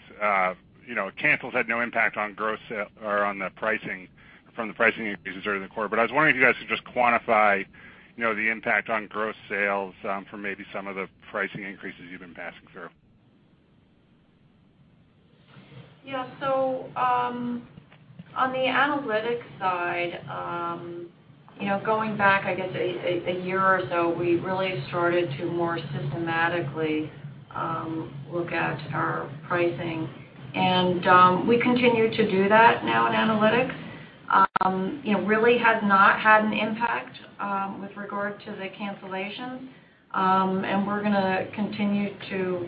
S10: cancels had no impact on the pricing from the pricing increases during the quarter. I was wondering if you guys could just quantify the impact on gross sales from maybe some of the pricing increases you've been passing through.
S4: Yeah. On the analytics side, going back, I guess, a year or so, we really started to more systematically look at our pricing. We continue to do that now in analytics. It really has not had an impact with regard to the cancellations. We're going to continue to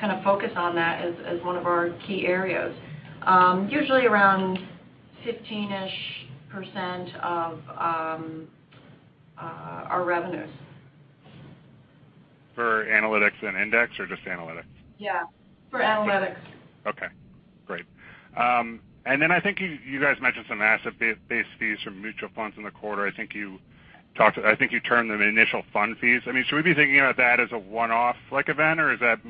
S4: kind of focus on that as one of our key areas. Usually around 15-ish% of our revenues.
S10: For analytics and index, or just analytics?
S4: Yeah, for analytics.
S10: Okay, great. I think you guys mentioned some asset-based fees from mutual funds in the quarter. I think you termed them initial fund fees. Should we be thinking about that as a one-off like event, or is that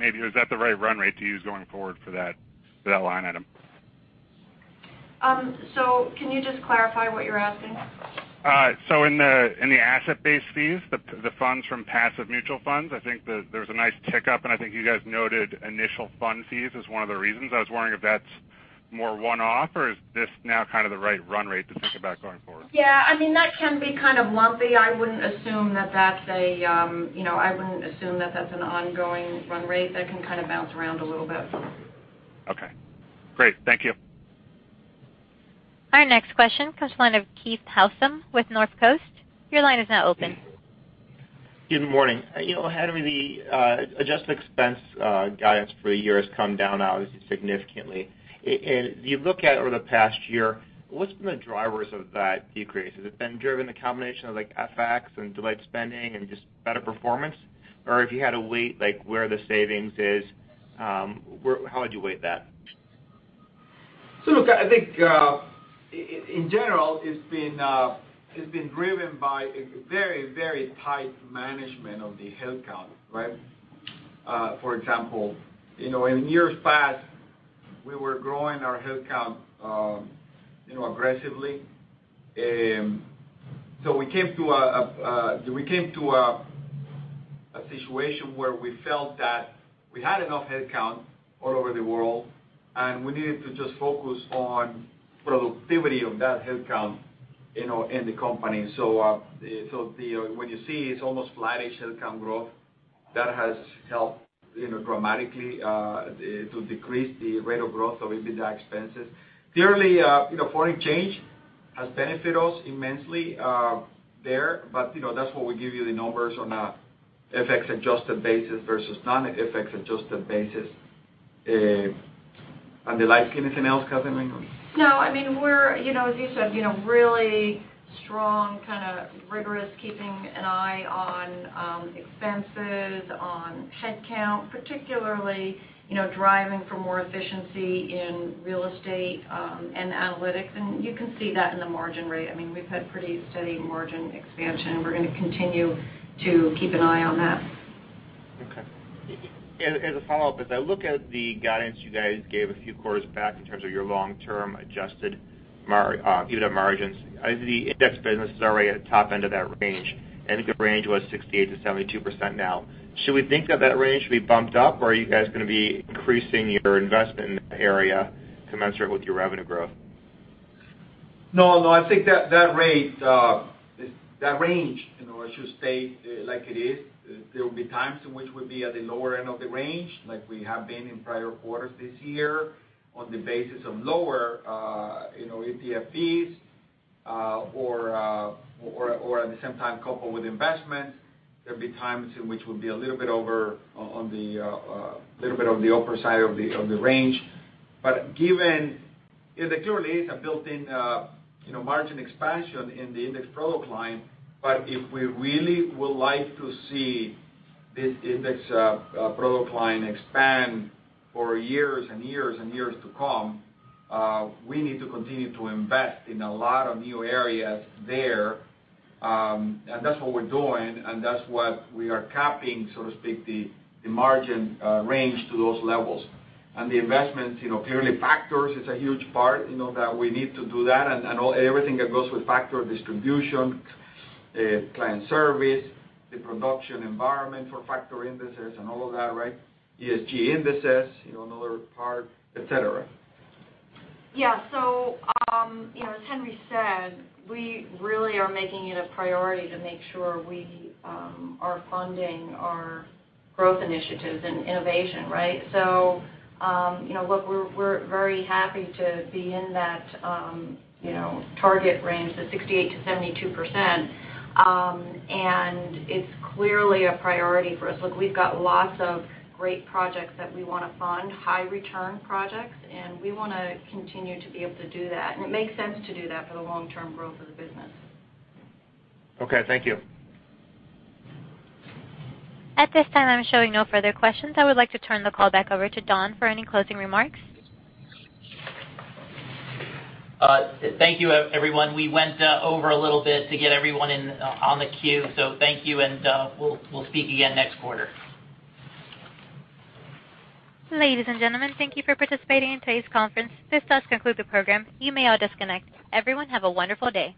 S10: the right run rate to use going forward for that line item?
S4: Can you just clarify what you're asking?
S10: In the asset-based fees, the funds from passive mutual funds, I think that there's a nice tick up, and I think you guys noted initial fund fees as one of the reasons. I was wondering if that's more one-off, or is this now the right run rate to think about going forward?
S4: Yeah. That can be lumpy. I wouldn't assume that that's an ongoing run rate. That can bounce around a little bit.
S10: Okay, great. Thank you.
S1: Our next question comes from the line of Keith Housum with Northcoast Research. Your line is now open.
S11: Good morning. Henry, the adjusted expense guidance for the year has come down obviously significantly. You look at over the past year, what's been the drivers of that decrease? Has it been driven the combination of FX and delayed spending and just better performance? Or if you had to weight where the savings is, how would you weight that?
S3: Look, I think, in general, it's been driven by a very tight management of the headcount. For example, in years past, we were growing our headcount aggressively. We came to a situation where we felt that we had enough headcount all over the world, and we needed to just focus on productivity of that headcount in the company. What you see, it's almost flattish headcount growth. That has helped dramatically to decrease the rate of growth of EBITDA expenses. Clearly, foreign exchange has benefited us immensely there, but that's why we give you the numbers on a FX-adjusted basis versus non-FX-adjusted basis. Kathleen, anything else to add, maybe?
S4: No. As you said, really strong, rigorous keeping an eye on expenses, on headcount, particularly driving for more efficiency in real estate and analytics. You can see that in the margin rate. We've had pretty steady margin expansion. We're going to continue to keep an eye on that.
S11: Okay. As a follow-up, as I look at the guidance you guys gave a few quarters back in terms of your long-term adjusted EBITDA margins, the index business is already at the top end of that range. I think the range was 68%-72% now. Should we think that that range should be bumped up, or are you guys going to be increasing your investment in that area commensurate with your revenue growth?
S3: No, I think that range should stay like it is. There will be times in which we'll be at the lower end of the range, like we have been in prior quarters this year, on the basis of lower ETF fees or at the same time coupled with investment. There'll be times in which we'll be a little bit on the upper side of the range. There clearly is a built-in margin expansion in the index product line. If we really would like to see this index product line expand for years and years to come, we need to continue to invest in a lot of new areas there. That's what we're doing, and that's what we are capping, so to speak, the margin range to those levels. The investments, clearly factors is a huge part, that we need to do that, and everything that goes with factor distribution, client service, the production environment for factor indices and all of that. ESG indices, another part, et cetera.
S4: Yeah. As Henry said, we really are making it a priority to make sure we are funding our growth initiatives and innovation. We're very happy to be in that target range, the 68%-72%, and it's clearly a priority for us. We've got lots of great projects that we want to fund, high-return projects, and we want to continue to be able to do that. It makes sense to do that for the long-term growth of the business.
S11: Okay, thank you.
S1: At this time, I'm showing no further questions. I would like to turn the call back over to Don for any closing remarks.
S2: Thank you, everyone. We went over a little bit to get everyone in on the queue. Thank you, and we'll speak again next quarter.
S1: Ladies and gentlemen, thank you for participating in today's conference. This does conclude the program. You may all disconnect. Everyone, have a wonderful day.